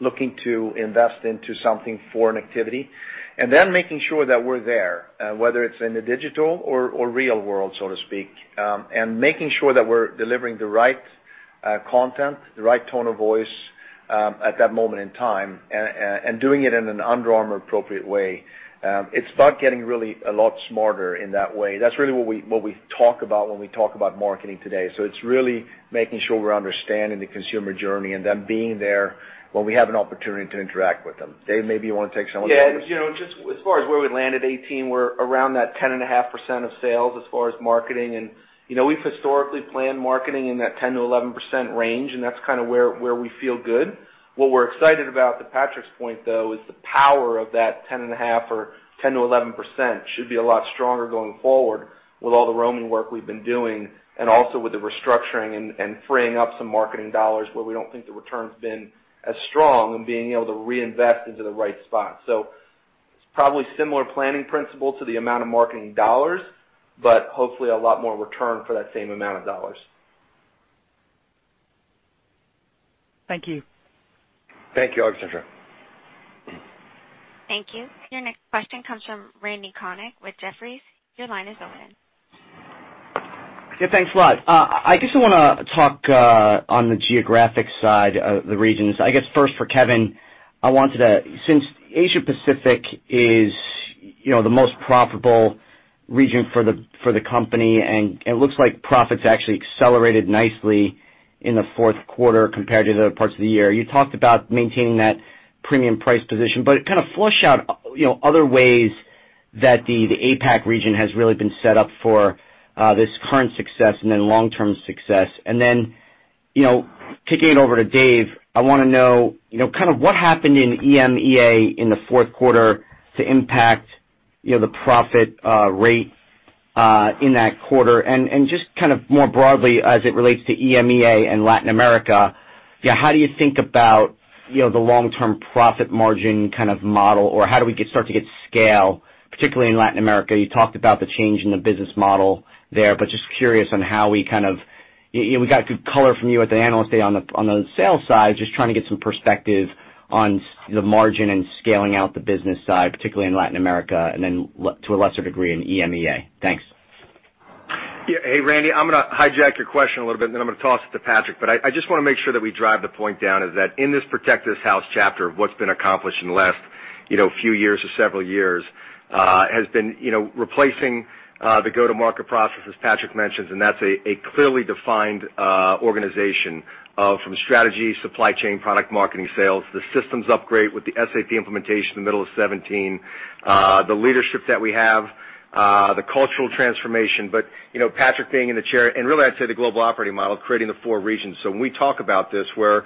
looking to invest into something for an activity. Then making sure that we're there, whether it's in the digital or real world, so to speak. Making sure that we're delivering the right content, the right tone of voice at that moment in time, and doing it in an Under Armour appropriate way. It's about getting really a lot smarter in that way. That's really what we talk about when we talk about marketing today. It's really making sure we're understanding the consumer journey and then being there when we have an opportunity to interact with them. Dave, maybe you want to take some of that. Just as far as where we landed 2018, we're around that 10.5% of sales as far as marketing. We've historically planned marketing in that 10%-11% range, and that's kind of where we feel good. What we're excited about, to Patrik's point, though, is the power of that 10.5% or 10%-11% should be a lot stronger going forward with all the ROMI work we've been doing. Also with the restructuring and freeing up some marketing dollars where we don't think the return's been as strong and being able to reinvest into the right spot. It's probably similar planning principle to the amount of marketing dollars. Hopefully a lot more return for that same amount of dollars. Thank you. Thank you, Alexandra. Thank you. Your next question comes from Randal Konik with Jefferies. Your line is open. Yeah, thanks a lot. I guess I want to talk on the geographic side of the regions. I guess first for Kevin, since Asia Pacific is the most profitable region for the company, and it looks like profits actually accelerated nicely in the fourth quarter compared to the other parts of the year. You talked about maintaining that premium price position, but kind of flush out other ways that the APAC region has really been set up for this current success and then long-term success. And then, kicking it over to Dave, I want to know what happened in EMEA in the fourth quarter to impact the profit rate in that quarter. And just kind of more broadly as it relates to EMEA and Latin America, how do you think about the long-term profit margin kind of model, or how do we start to get scale, particularly in Latin America? Just curious on how we got good color from you at the Investor Day on the sales side. Just trying to get some perspective on the margin and scaling out the business side, particularly in Latin America, then to a lesser degree in EMEA. Thanks. Yeah. Hey, Randal, I'm going to hijack your question a little bit. Then I'm going to toss it to Patrik. I just want to make sure that we drive the point down is that in this Protect This House chapter of what's been accomplished in the last few years or several years, has been replacing the go-to-market process, as Patrik mentions, that's a clearly defined organization from strategy, supply chain, product marketing, sales, the systems upgrade with the SAP implementation in the middle of 2017, the leadership that we have, the cultural transformation. Patrik being in the chair, really, I'd say the global operating model, creating the four regions. When we talk about this, where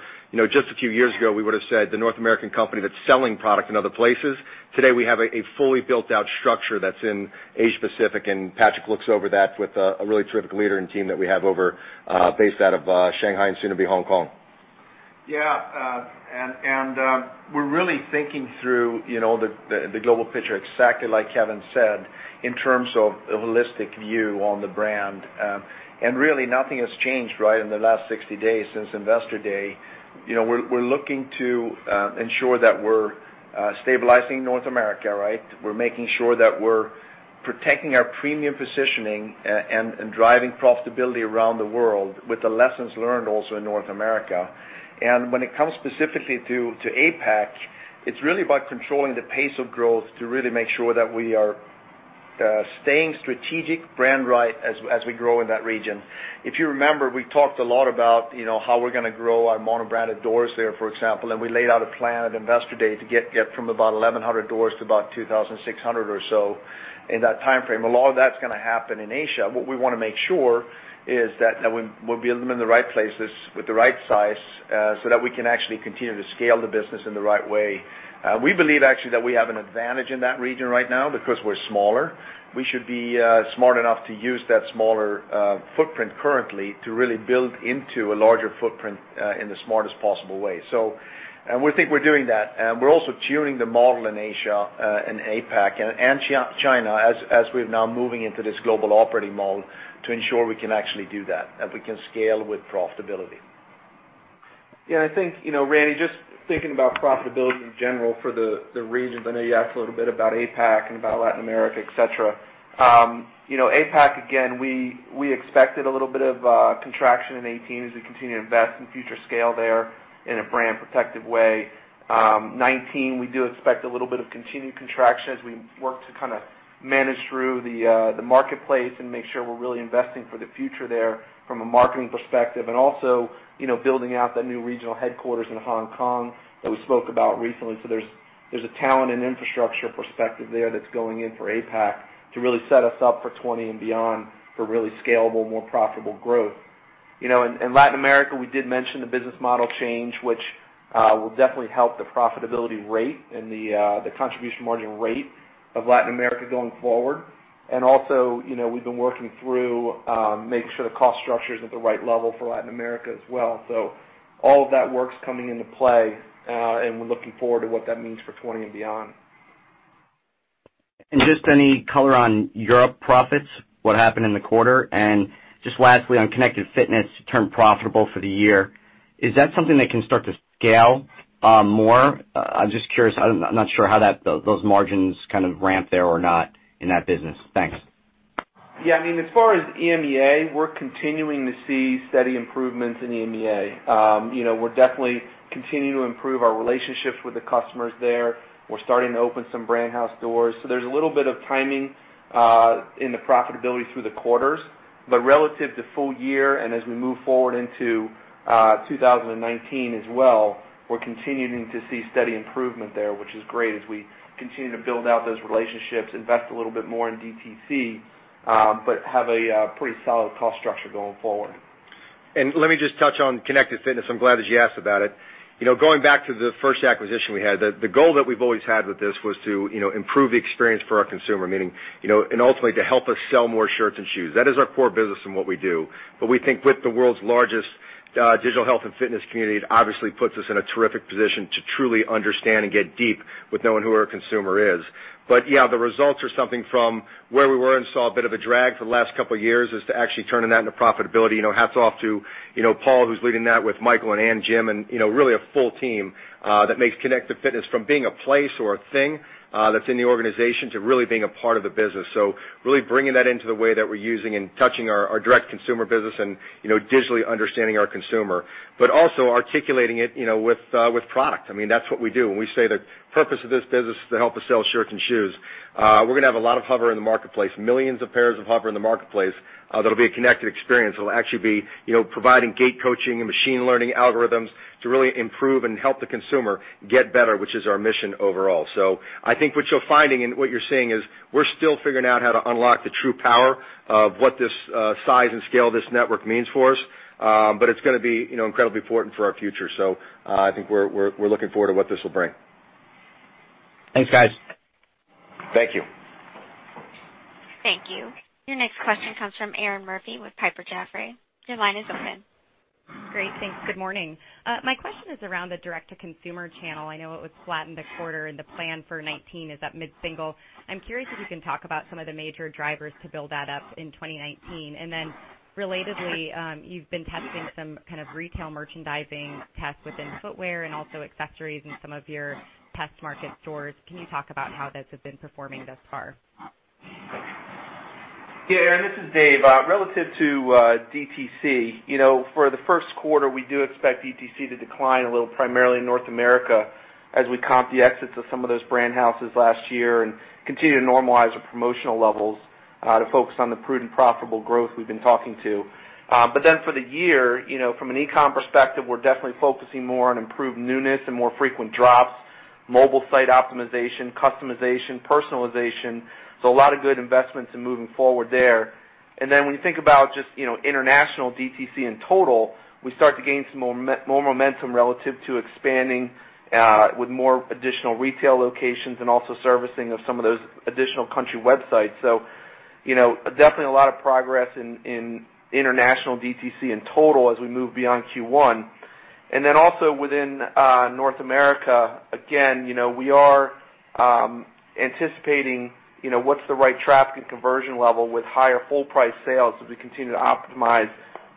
just a few years ago, we would've said the North American company that's selling product in other places. Today, we have a fully built-out structure that's in Asia Pacific. Patrik looks over that with a really terrific leader and team that we have over based out of Shanghai and soon to be Hong Kong. Yeah. We're really thinking through the global picture, exactly like Kevin said, in terms of a holistic view on the brand. Really nothing has changed right, in the last 60 days since Investor Day. We're looking to ensure that we're stabilizing North America, right? We're making sure that we're protecting our premium positioning and driving profitability around the world with the lessons learned also in North America. When it comes specifically to APAC, it's really about controlling the pace of growth to really make sure that we are staying strategic brand right as we grow in that region. If you remember, we talked a lot about how we're going to grow our monobranded doors there, for example, we laid out a plan at Investor Day to get from about 1,100 doors to about 2,600 or so in that timeframe. A lot of that's going to happen in Asia. What we want to make sure is that we build them in the right places with the right size, so that we can actually continue to scale the business in the right way. We believe actually that we have an advantage in that region right now because we're smaller. We should be smart enough to use that smaller footprint currently to really build into a larger footprint in the smartest possible way. We think we're doing that. We're also tuning the model in Asia and APAC and China as we're now moving into this global operating model to ensure we can actually do that we can scale with profitability. I think Randal, just thinking about profitability in general for the region. I know you asked a little bit about APAC and about Latin America, et cetera. APAC, again, we expected a little bit of contraction in 2018 as we continue to invest in future scale there in a brand-protective way. 2019, we do expect a little bit of continued contraction as we work to kind of manage through the marketplace and make sure we're really investing for the future there from a marketing perspective, and also building out that new regional headquarters in Hong Kong that we spoke about recently. There's a talent and infrastructure perspective there that's going in for APAC to really set us up for 2020 and beyond for really scalable, more profitable growth. In Latin America, we did mention the business model change, which will definitely help the profitability rate and the contribution margin rate of Latin America going forward. Also, we've been working through making sure the cost structure is at the right level for Latin America as well. All of that work's coming into play. We're looking forward to what that means for 2020 and beyond. Just any color on Europe profits, what happened in the quarter? Just lastly, on Connected Fitness turned profitable for the year. Is that something that can start to scale more? I'm just curious. I'm not sure how those margins kind of ramp there or not in that business. Thanks. Yeah. As far as EMEA, we're continuing to see steady improvements in EMEA. We're definitely continuing to improve our relationships with the customers there. We're starting to open some brand house doors. There's a little bit of timing in the profitability through the quarters. Relative to full year, and as we move forward into 2019 as well, we're continuing to see steady improvement there, which is great as we continue to build out those relationships, invest a little bit more in DTC, but have a pretty solid cost structure going forward. Let me just touch on Connected Fitness. I'm glad that you asked about it. Going back to the first acquisition we had, the goal that we've always had with this was to improve the experience for our consumer, and ultimately to help us sell more shirts and shoes. That is our core business and what we do. We think with the world's largest digital health and fitness community, it obviously puts us in a terrific position to truly understand and get deep with knowing who our consumer is. Yeah, the results are something from where we were and saw a bit of a drag for the last couple of years, is to actually turning that into profitability. Hats off to Paul who's leading that with Michael and Jim, and really a full team that makes Connected Fitness from being a place or a thing that's in the organization, to really being a part of the business. Really bringing that into the way that we're using and touching our direct consumer business and digitally understanding our consumer. Also articulating it with product. That's what we do. When we say the purpose of this business is to help us sell shirts and shoes. We're going to have a lot of HOVR in the marketplace, millions of pairs of HOVR in the marketplace. That'll be a connected experience. It'll actually be providing gait coaching and machine learning algorithms to really improve and help the consumer get better, which is our mission overall. I think what you're finding and what you're seeing is we're still figuring out how to unlock the true power of what this size and scale of this network means for us. It's going to be incredibly important for our future. I think we're looking forward to what this will bring. Thanks, guys. Thank you. Thank you. Your next question comes from Erinn Murphy with Piper Jaffray. Your line is open. Great. Thanks. Good morning. My question is around the direct-to-consumer channel. I know it was flat in the quarter, and the plan for 2019 is at mid-single. I'm curious if you can talk about some of the major drivers to build that up in 2019. Relatedly, you've been testing some kind of retail merchandising tests within footwear and also accessories in some of your test market stores. Can you talk about how those have been performing thus far? Erinn, this is Dave. Relative to DTC, for the first quarter, we do expect DTC to decline a little, primarily in North America, as we comp the exits of some of those brand houses last year and continue to normalize the promotional levels to focus on the prudent profitable growth we've been talking to. For the year, from an e-com perspective, we're definitely focusing more on improved newness and more frequent drops, mobile site optimization, customization, personalization. A lot of good investments in moving forward there. When you think about just international DTC in total, we start to gain some more momentum relative to expanding with more additional retail locations and also servicing of some of those additional country websites. Definitely a lot of progress in international DTC in total as we move beyond Q1. Also within North America, again, we are anticipating what's the right traffic and conversion level with higher full price sales as we continue to optimize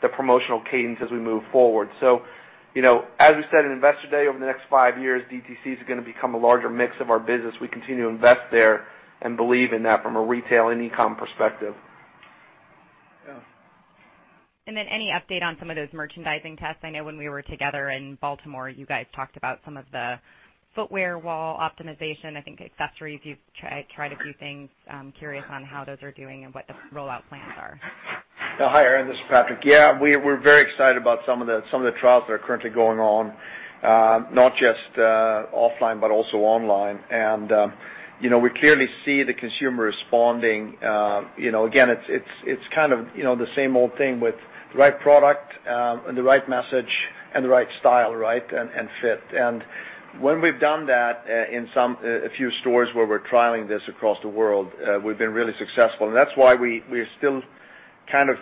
the promotional cadence as we move forward. As we said in Investor Day, over the next five years, DTC is going to become a larger mix of our business. We continue to invest there and believe in that from a retail and e-com perspective. Yeah. Any update on some of those merchandising tests? I know when we were together in Baltimore, you guys talked about some of the footwear wall optimization. I think accessories, you've tried a few things. I'm curious on how those are doing and what the rollout plans are. Hi, Erinn. This is Patrik. We're very excited about some of the trials that are currently going on, not just offline, but also online. We clearly see the consumer responding. Again, it's kind of the same old thing with the right product and the right message and the right style, and fit. When we've done that in a few stores where we're trialing this across the world, we've been really successful. That's why we are still kind of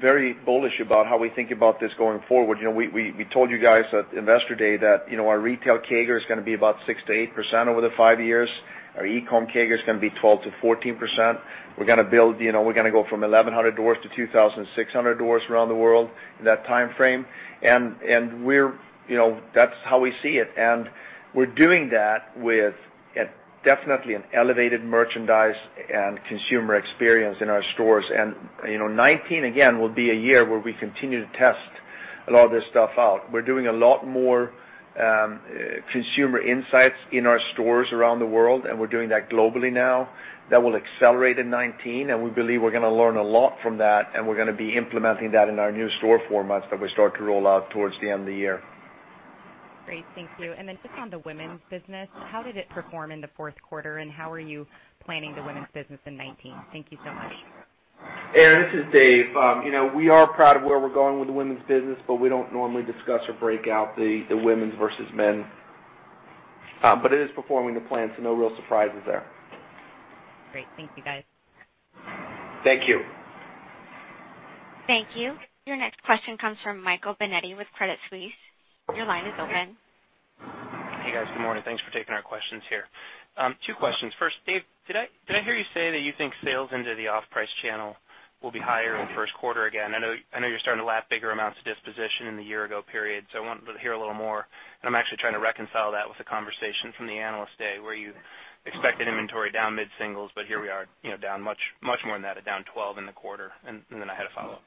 very bullish about how we think about this going forward. We told you guys at Investor Day that our retail CAGR is going to be about 6%-8% over the five years. Our e-com CAGR is going to be 12%-14%. We're going to go from 1,100 doors to 2,600 doors around the world in that timeframe. That's how we see it. We're doing that with definitely an elevated merchandise and consumer experience in our stores. 2019, again, will be a year where we continue to test a lot of this stuff out. We're doing a lot more consumer insights in our stores around the world. We're doing that globally now. That will accelerate in 2019. We believe we're going to learn a lot from that, and we're going to be implementing that in our new store formats that we start to roll out towards the end of the year. Great. Thank you. Then just on the women's business, how did it perform in the fourth quarter, and how are you planning the women's business in 2019? Thank you so much. Erinn, this is Dave. We are proud of where we're going with the women's business, but we don't normally discuss or break out the women's versus men. It is performing to plan, so no real surprises there. Great. Thank you, guys. Thank you. Thank you. Your next question comes from Michael Binetti with Credit Suisse. Your line is open. Hey, guys. Good morning. Thanks for taking our questions here. Two questions. First, Dave, did I hear you say that you think sales into the off-price channel will be higher in the first quarter again? I know you're starting to lap bigger amounts of disposition in the year ago period, so I wanted to hear a little more, and I'm actually trying to reconcile that with the conversation from the Analyst Day, where you expected inventory down mid-singles, but here we are, down much more than that, down 12 in the quarter. Then I had a follow-up.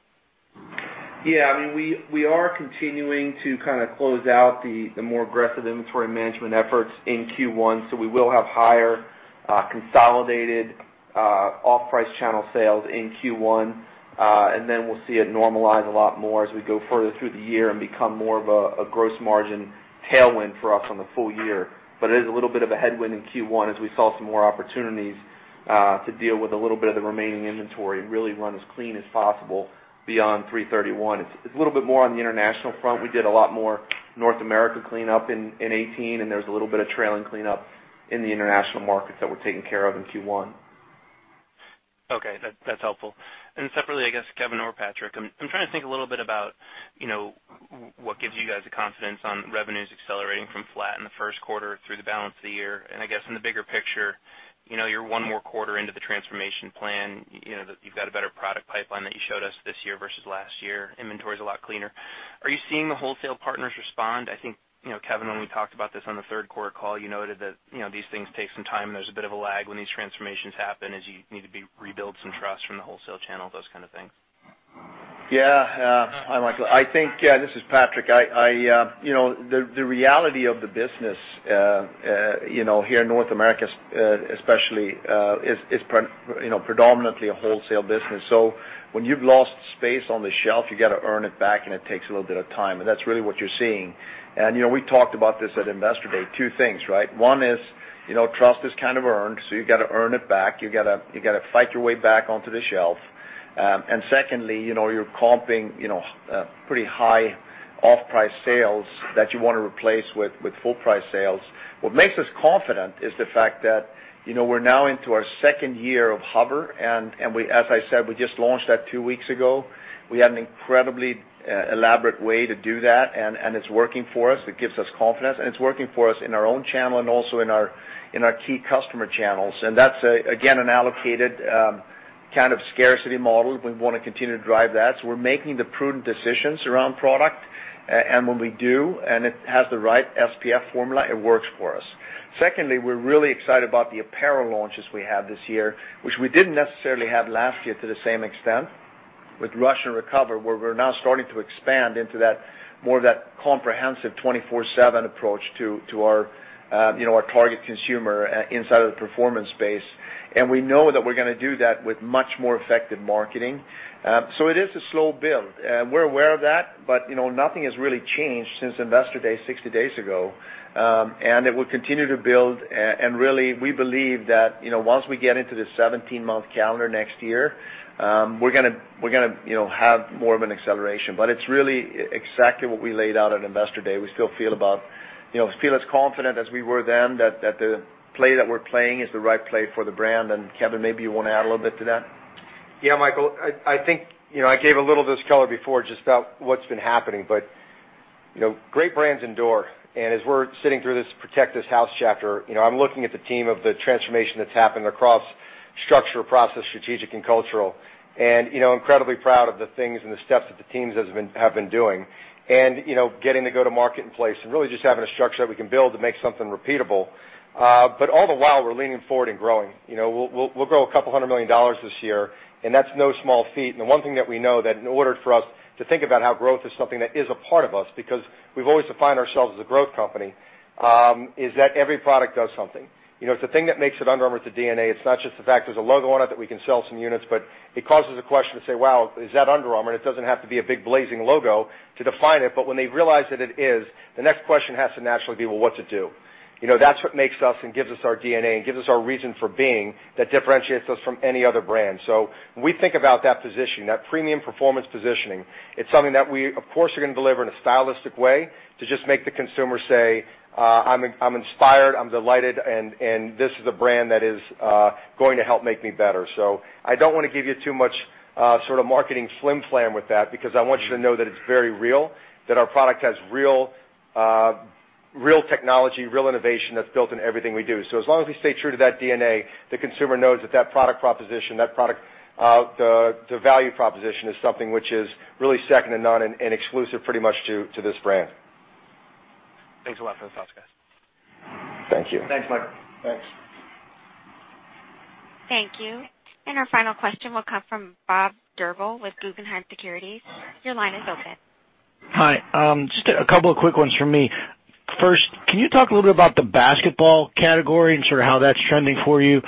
Yeah. We are continuing to kind of close out the more aggressive inventory management efforts in Q1. We will have higher consolidated off-price channel sales in Q1. Then we'll see it normalize a lot more as we go further through the year and become more of a gross margin tailwind for us on the full year. It is a little bit of a headwind in Q1 as we saw some more opportunities to deal with a little bit of the remaining inventory and really run as clean as possible beyond 3/31. It's a little bit more on the international front. We did a lot more North America cleanup in 2018, There's a little bit of trailing cleanup in the international markets that we're taking care of in Q1. Okay. That's helpful. Separately, I guess Kevin or Patrik, I'm trying to think a little bit about what gives you guys the confidence on revenues accelerating from flat in the first quarter through the balance of the year. I guess in the bigger picture, you're one more quarter into the transformation plan. You've got a better product pipeline that you showed us this year versus last year. Inventory's a lot cleaner. Are you seeing the wholesale partners respond? I think, Kevin, when we talked about this on the third quarter call, you noted that these things take some time, and there's a bit of a lag when these transformations happen as you need to rebuild some trust from the wholesale channel, those kind of things. Hi, Michael. This is Patrik. The reality of the business, here in North America especially, is predominantly a wholesale business. When you've lost space on the shelf, you got to earn it back and it takes a little bit of time, and that's really what you're seeing. We talked about this at Investor Day, two things, right? One is, trust is kind of earned, so you got to earn it back. You got to fight your way back onto the shelf. Secondly, you're comping pretty high off-price sales that you want to replace with full-price sales. What makes us confident is the fact that we're now into our second year of HOVR, and as I said, we just launched that two weeks ago. We had an incredibly elaborate way to do that, and it's working for us. It gives us confidence, and it's working for us in our own channel and also in our key customer channels. That's, again, an allocated kind of scarcity model. We want to continue to drive that. We're making the prudent decisions around product. When we do, and it has the right UPF formula, it works for us. Secondly, we're really excited about the apparel launches we have this year, which we didn't necessarily have last year to the same extent with Rush and Recover, where we're now starting to expand into more of that comprehensive 24/7 approach to our target consumer inside of the performance space. We know that we're going to do that with much more effective marketing. It is a slow build. We're aware of that, but nothing has really changed since Investor Day 60 days ago. It will continue to build, really, we believe that, once we get into the 17-month calendar next year, we're going to have more of an acceleration. It's really exactly what we laid out at Investor Day. We still feel as confident as we were then that the play that we're playing is the right play for the brand. Kevin, maybe you want to add a little bit to that? Michael. I think I gave a little of this color before just about what's been happening, but great brands endure. As we're sitting through this Protect This House chapter, I'm looking at the team of the transformation that's happened across structure, process, strategic, and cultural. Incredibly proud of the things and the steps that the teams have been doing. Getting the go-to-market in place and really just having a structure that we can build to make something repeatable. All the while, we're leaning forward and growing. We'll grow a couple hundred million USD this year, and that's no small feat. The one thing that we know that in order for us to think about how growth is something that is a part of us, because we've always defined ourselves as a growth company, is that every product does something. The thing that makes it Under Armour, it's the DNA. It's not just the fact there's a logo on it that we can sell some units, but it causes a question to say, "Wow, is that Under Armour?" It doesn't have to be a big blazing logo to define it, but when they realize that it is, the next question has to naturally be, "Well, what's it do?" That's what makes us and gives us our DNA and gives us our reason for being that differentiates us from any other brand. When we think about that position, that premium performance positioning, it's something that we, of course, are going to deliver in a stylistic way to just make the consumer say, "I'm inspired, I'm delighted, and this is a brand that is going to help make me better." I don't want to give you too much sort of marketing flimflam with that because I want you to know that it's very real, that our product has real technology, real innovation that's built in everything we do. As long as we stay true to that DNA, the consumer knows that that product proposition, the value proposition is something which is really second to none and exclusive pretty much to this brand. Thanks a lot for those thoughts, guys. Thank you. Thanks, Michael. Thanks. Thank you. Our final question will come from Bob Drbul with Guggenheim Securities. Your line is open. Hi. Just a couple of quick ones from me. First, can you talk a little bit about the basketball category and sort of how that's trending for you?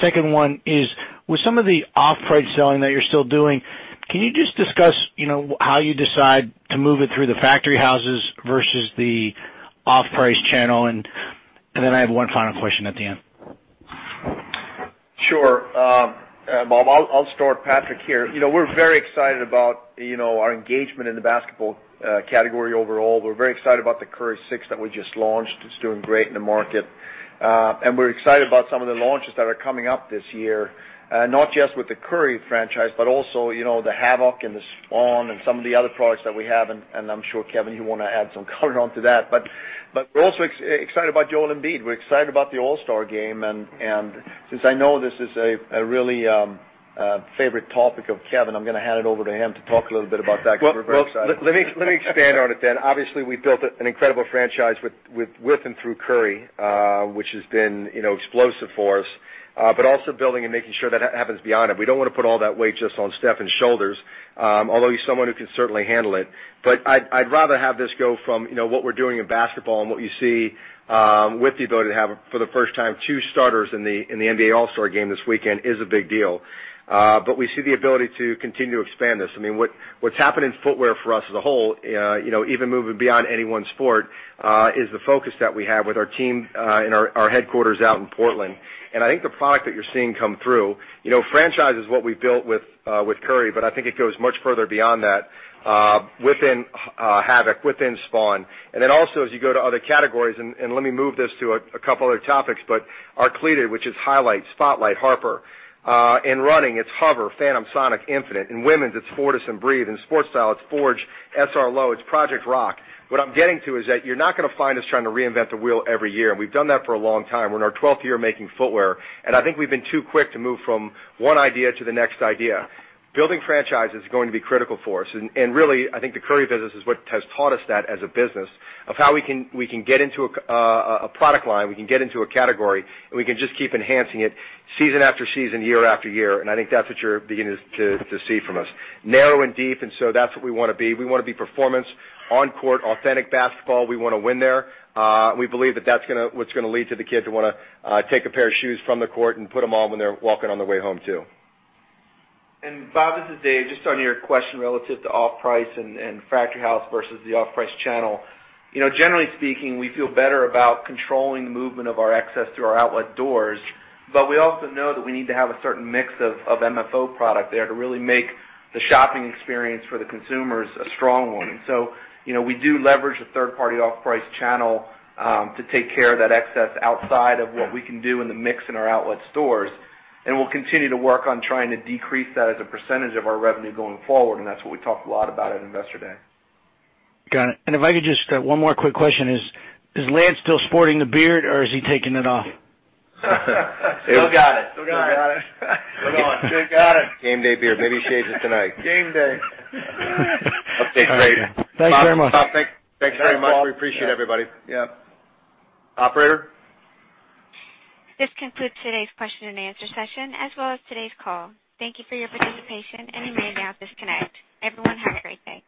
Second one is, with some of the off-price selling that you're still doing, can you just discuss how you decide to move it through the Factory Houses versus the off-price channel? Then I have one final question at the end. Sure. Bob, I'll start, Patrik here. We're very excited about our engagement in the basketball category overall. We're very excited about the Curry 6 that we just launched. It's doing great in the market. We're excited about some of the launches that are coming up this year, not just with the Curry franchise, but also, the Havoc and the Spawn and some of the other products that we have, and I'm sure, Kevin, you want to add some color onto that. We're also excited about Joel Embiid. We're excited about the All-Star Game, and since I know this is a really favorite topic of Kevin, I'm going to hand it over to him to talk a little bit about that because we're very excited. Well, let me expand on it then. Obviously, we built an incredible franchise with and through Curry, which has been explosive for us. Also building and making sure that happens beyond him. We don't want to put all that weight just on Stephen's shoulders. Although he's someone who can certainly handle it. I'd rather have this go from what we're doing in basketball and what you see with the ability to have, for the first time, two starters in the NBA All-Star Game this weekend is a big deal. We see the ability to continue to expand this. What's happened in footwear for us as a whole, even moving beyond any one sport, is the focus that we have with our team in our headquarters out in Portland. I think the product that you're seeing come through, franchise is what we built with Curry, I think it goes much further beyond that, within Havoc, within Spawn. Also, as you go to other categories, let me move this to a couple other topics, our cleated, which is Highlight, Spotlight, Harper. In running, it's HOVR, Phantom, Sonic, Infinite. In women's, it's Fortis and Breathe. In sports style, it's Forge, SRLo, it's Project Rock. What I'm getting to is that you're not going to find us trying to reinvent the wheel every year, we've done that for a long time. We're in our 12th year making footwear, I think we've been too quick to move from one idea to the next idea. Building franchise is going to be critical for us, really, I think the Curry business is what has taught us that as a business of how we can get into a product line, we can get into a category, we can just keep enhancing it season after season, year after year. I think that's what you're beginning to see from us. Narrow and deep, that's what we want to be. We want to be performance on court, authentic basketball. We want to win there. We believe that that's what's going to lead to the kids who want to take a pair of shoes from the court and put them on when they're walking on their way home, too. Bob, this is Dave. Just on your question relative to off-price and Factory House versus the off-price channel. Generally speaking, we feel better about controlling the movement of our access to our outlet doors, but we also know that we need to have a certain mix of MFO product there to really make the shopping experience for the consumers a strong one. We do leverage the third-party off-price channel to take care of that excess outside of what we can do in the mix in our outlet stores. We'll continue to work on trying to decrease that as a percentage of our revenue going forward, and that's what we talked a lot about at Investor Day. Got it. If I could one more quick question is Lance still sporting the beard or is he taking it off? Still got it. Still got it. Still got it. Still going. Still got it. Game day beard. Maybe he shaves it tonight. Game day. Update Friday. Okay. Thanks very much. Bob, thanks very much. We appreciate everybody. Yeah. Operator? This concludes today's question and answer session, as well as today's call. Thank you for your participation, and you may now disconnect. Everyone, have a great day.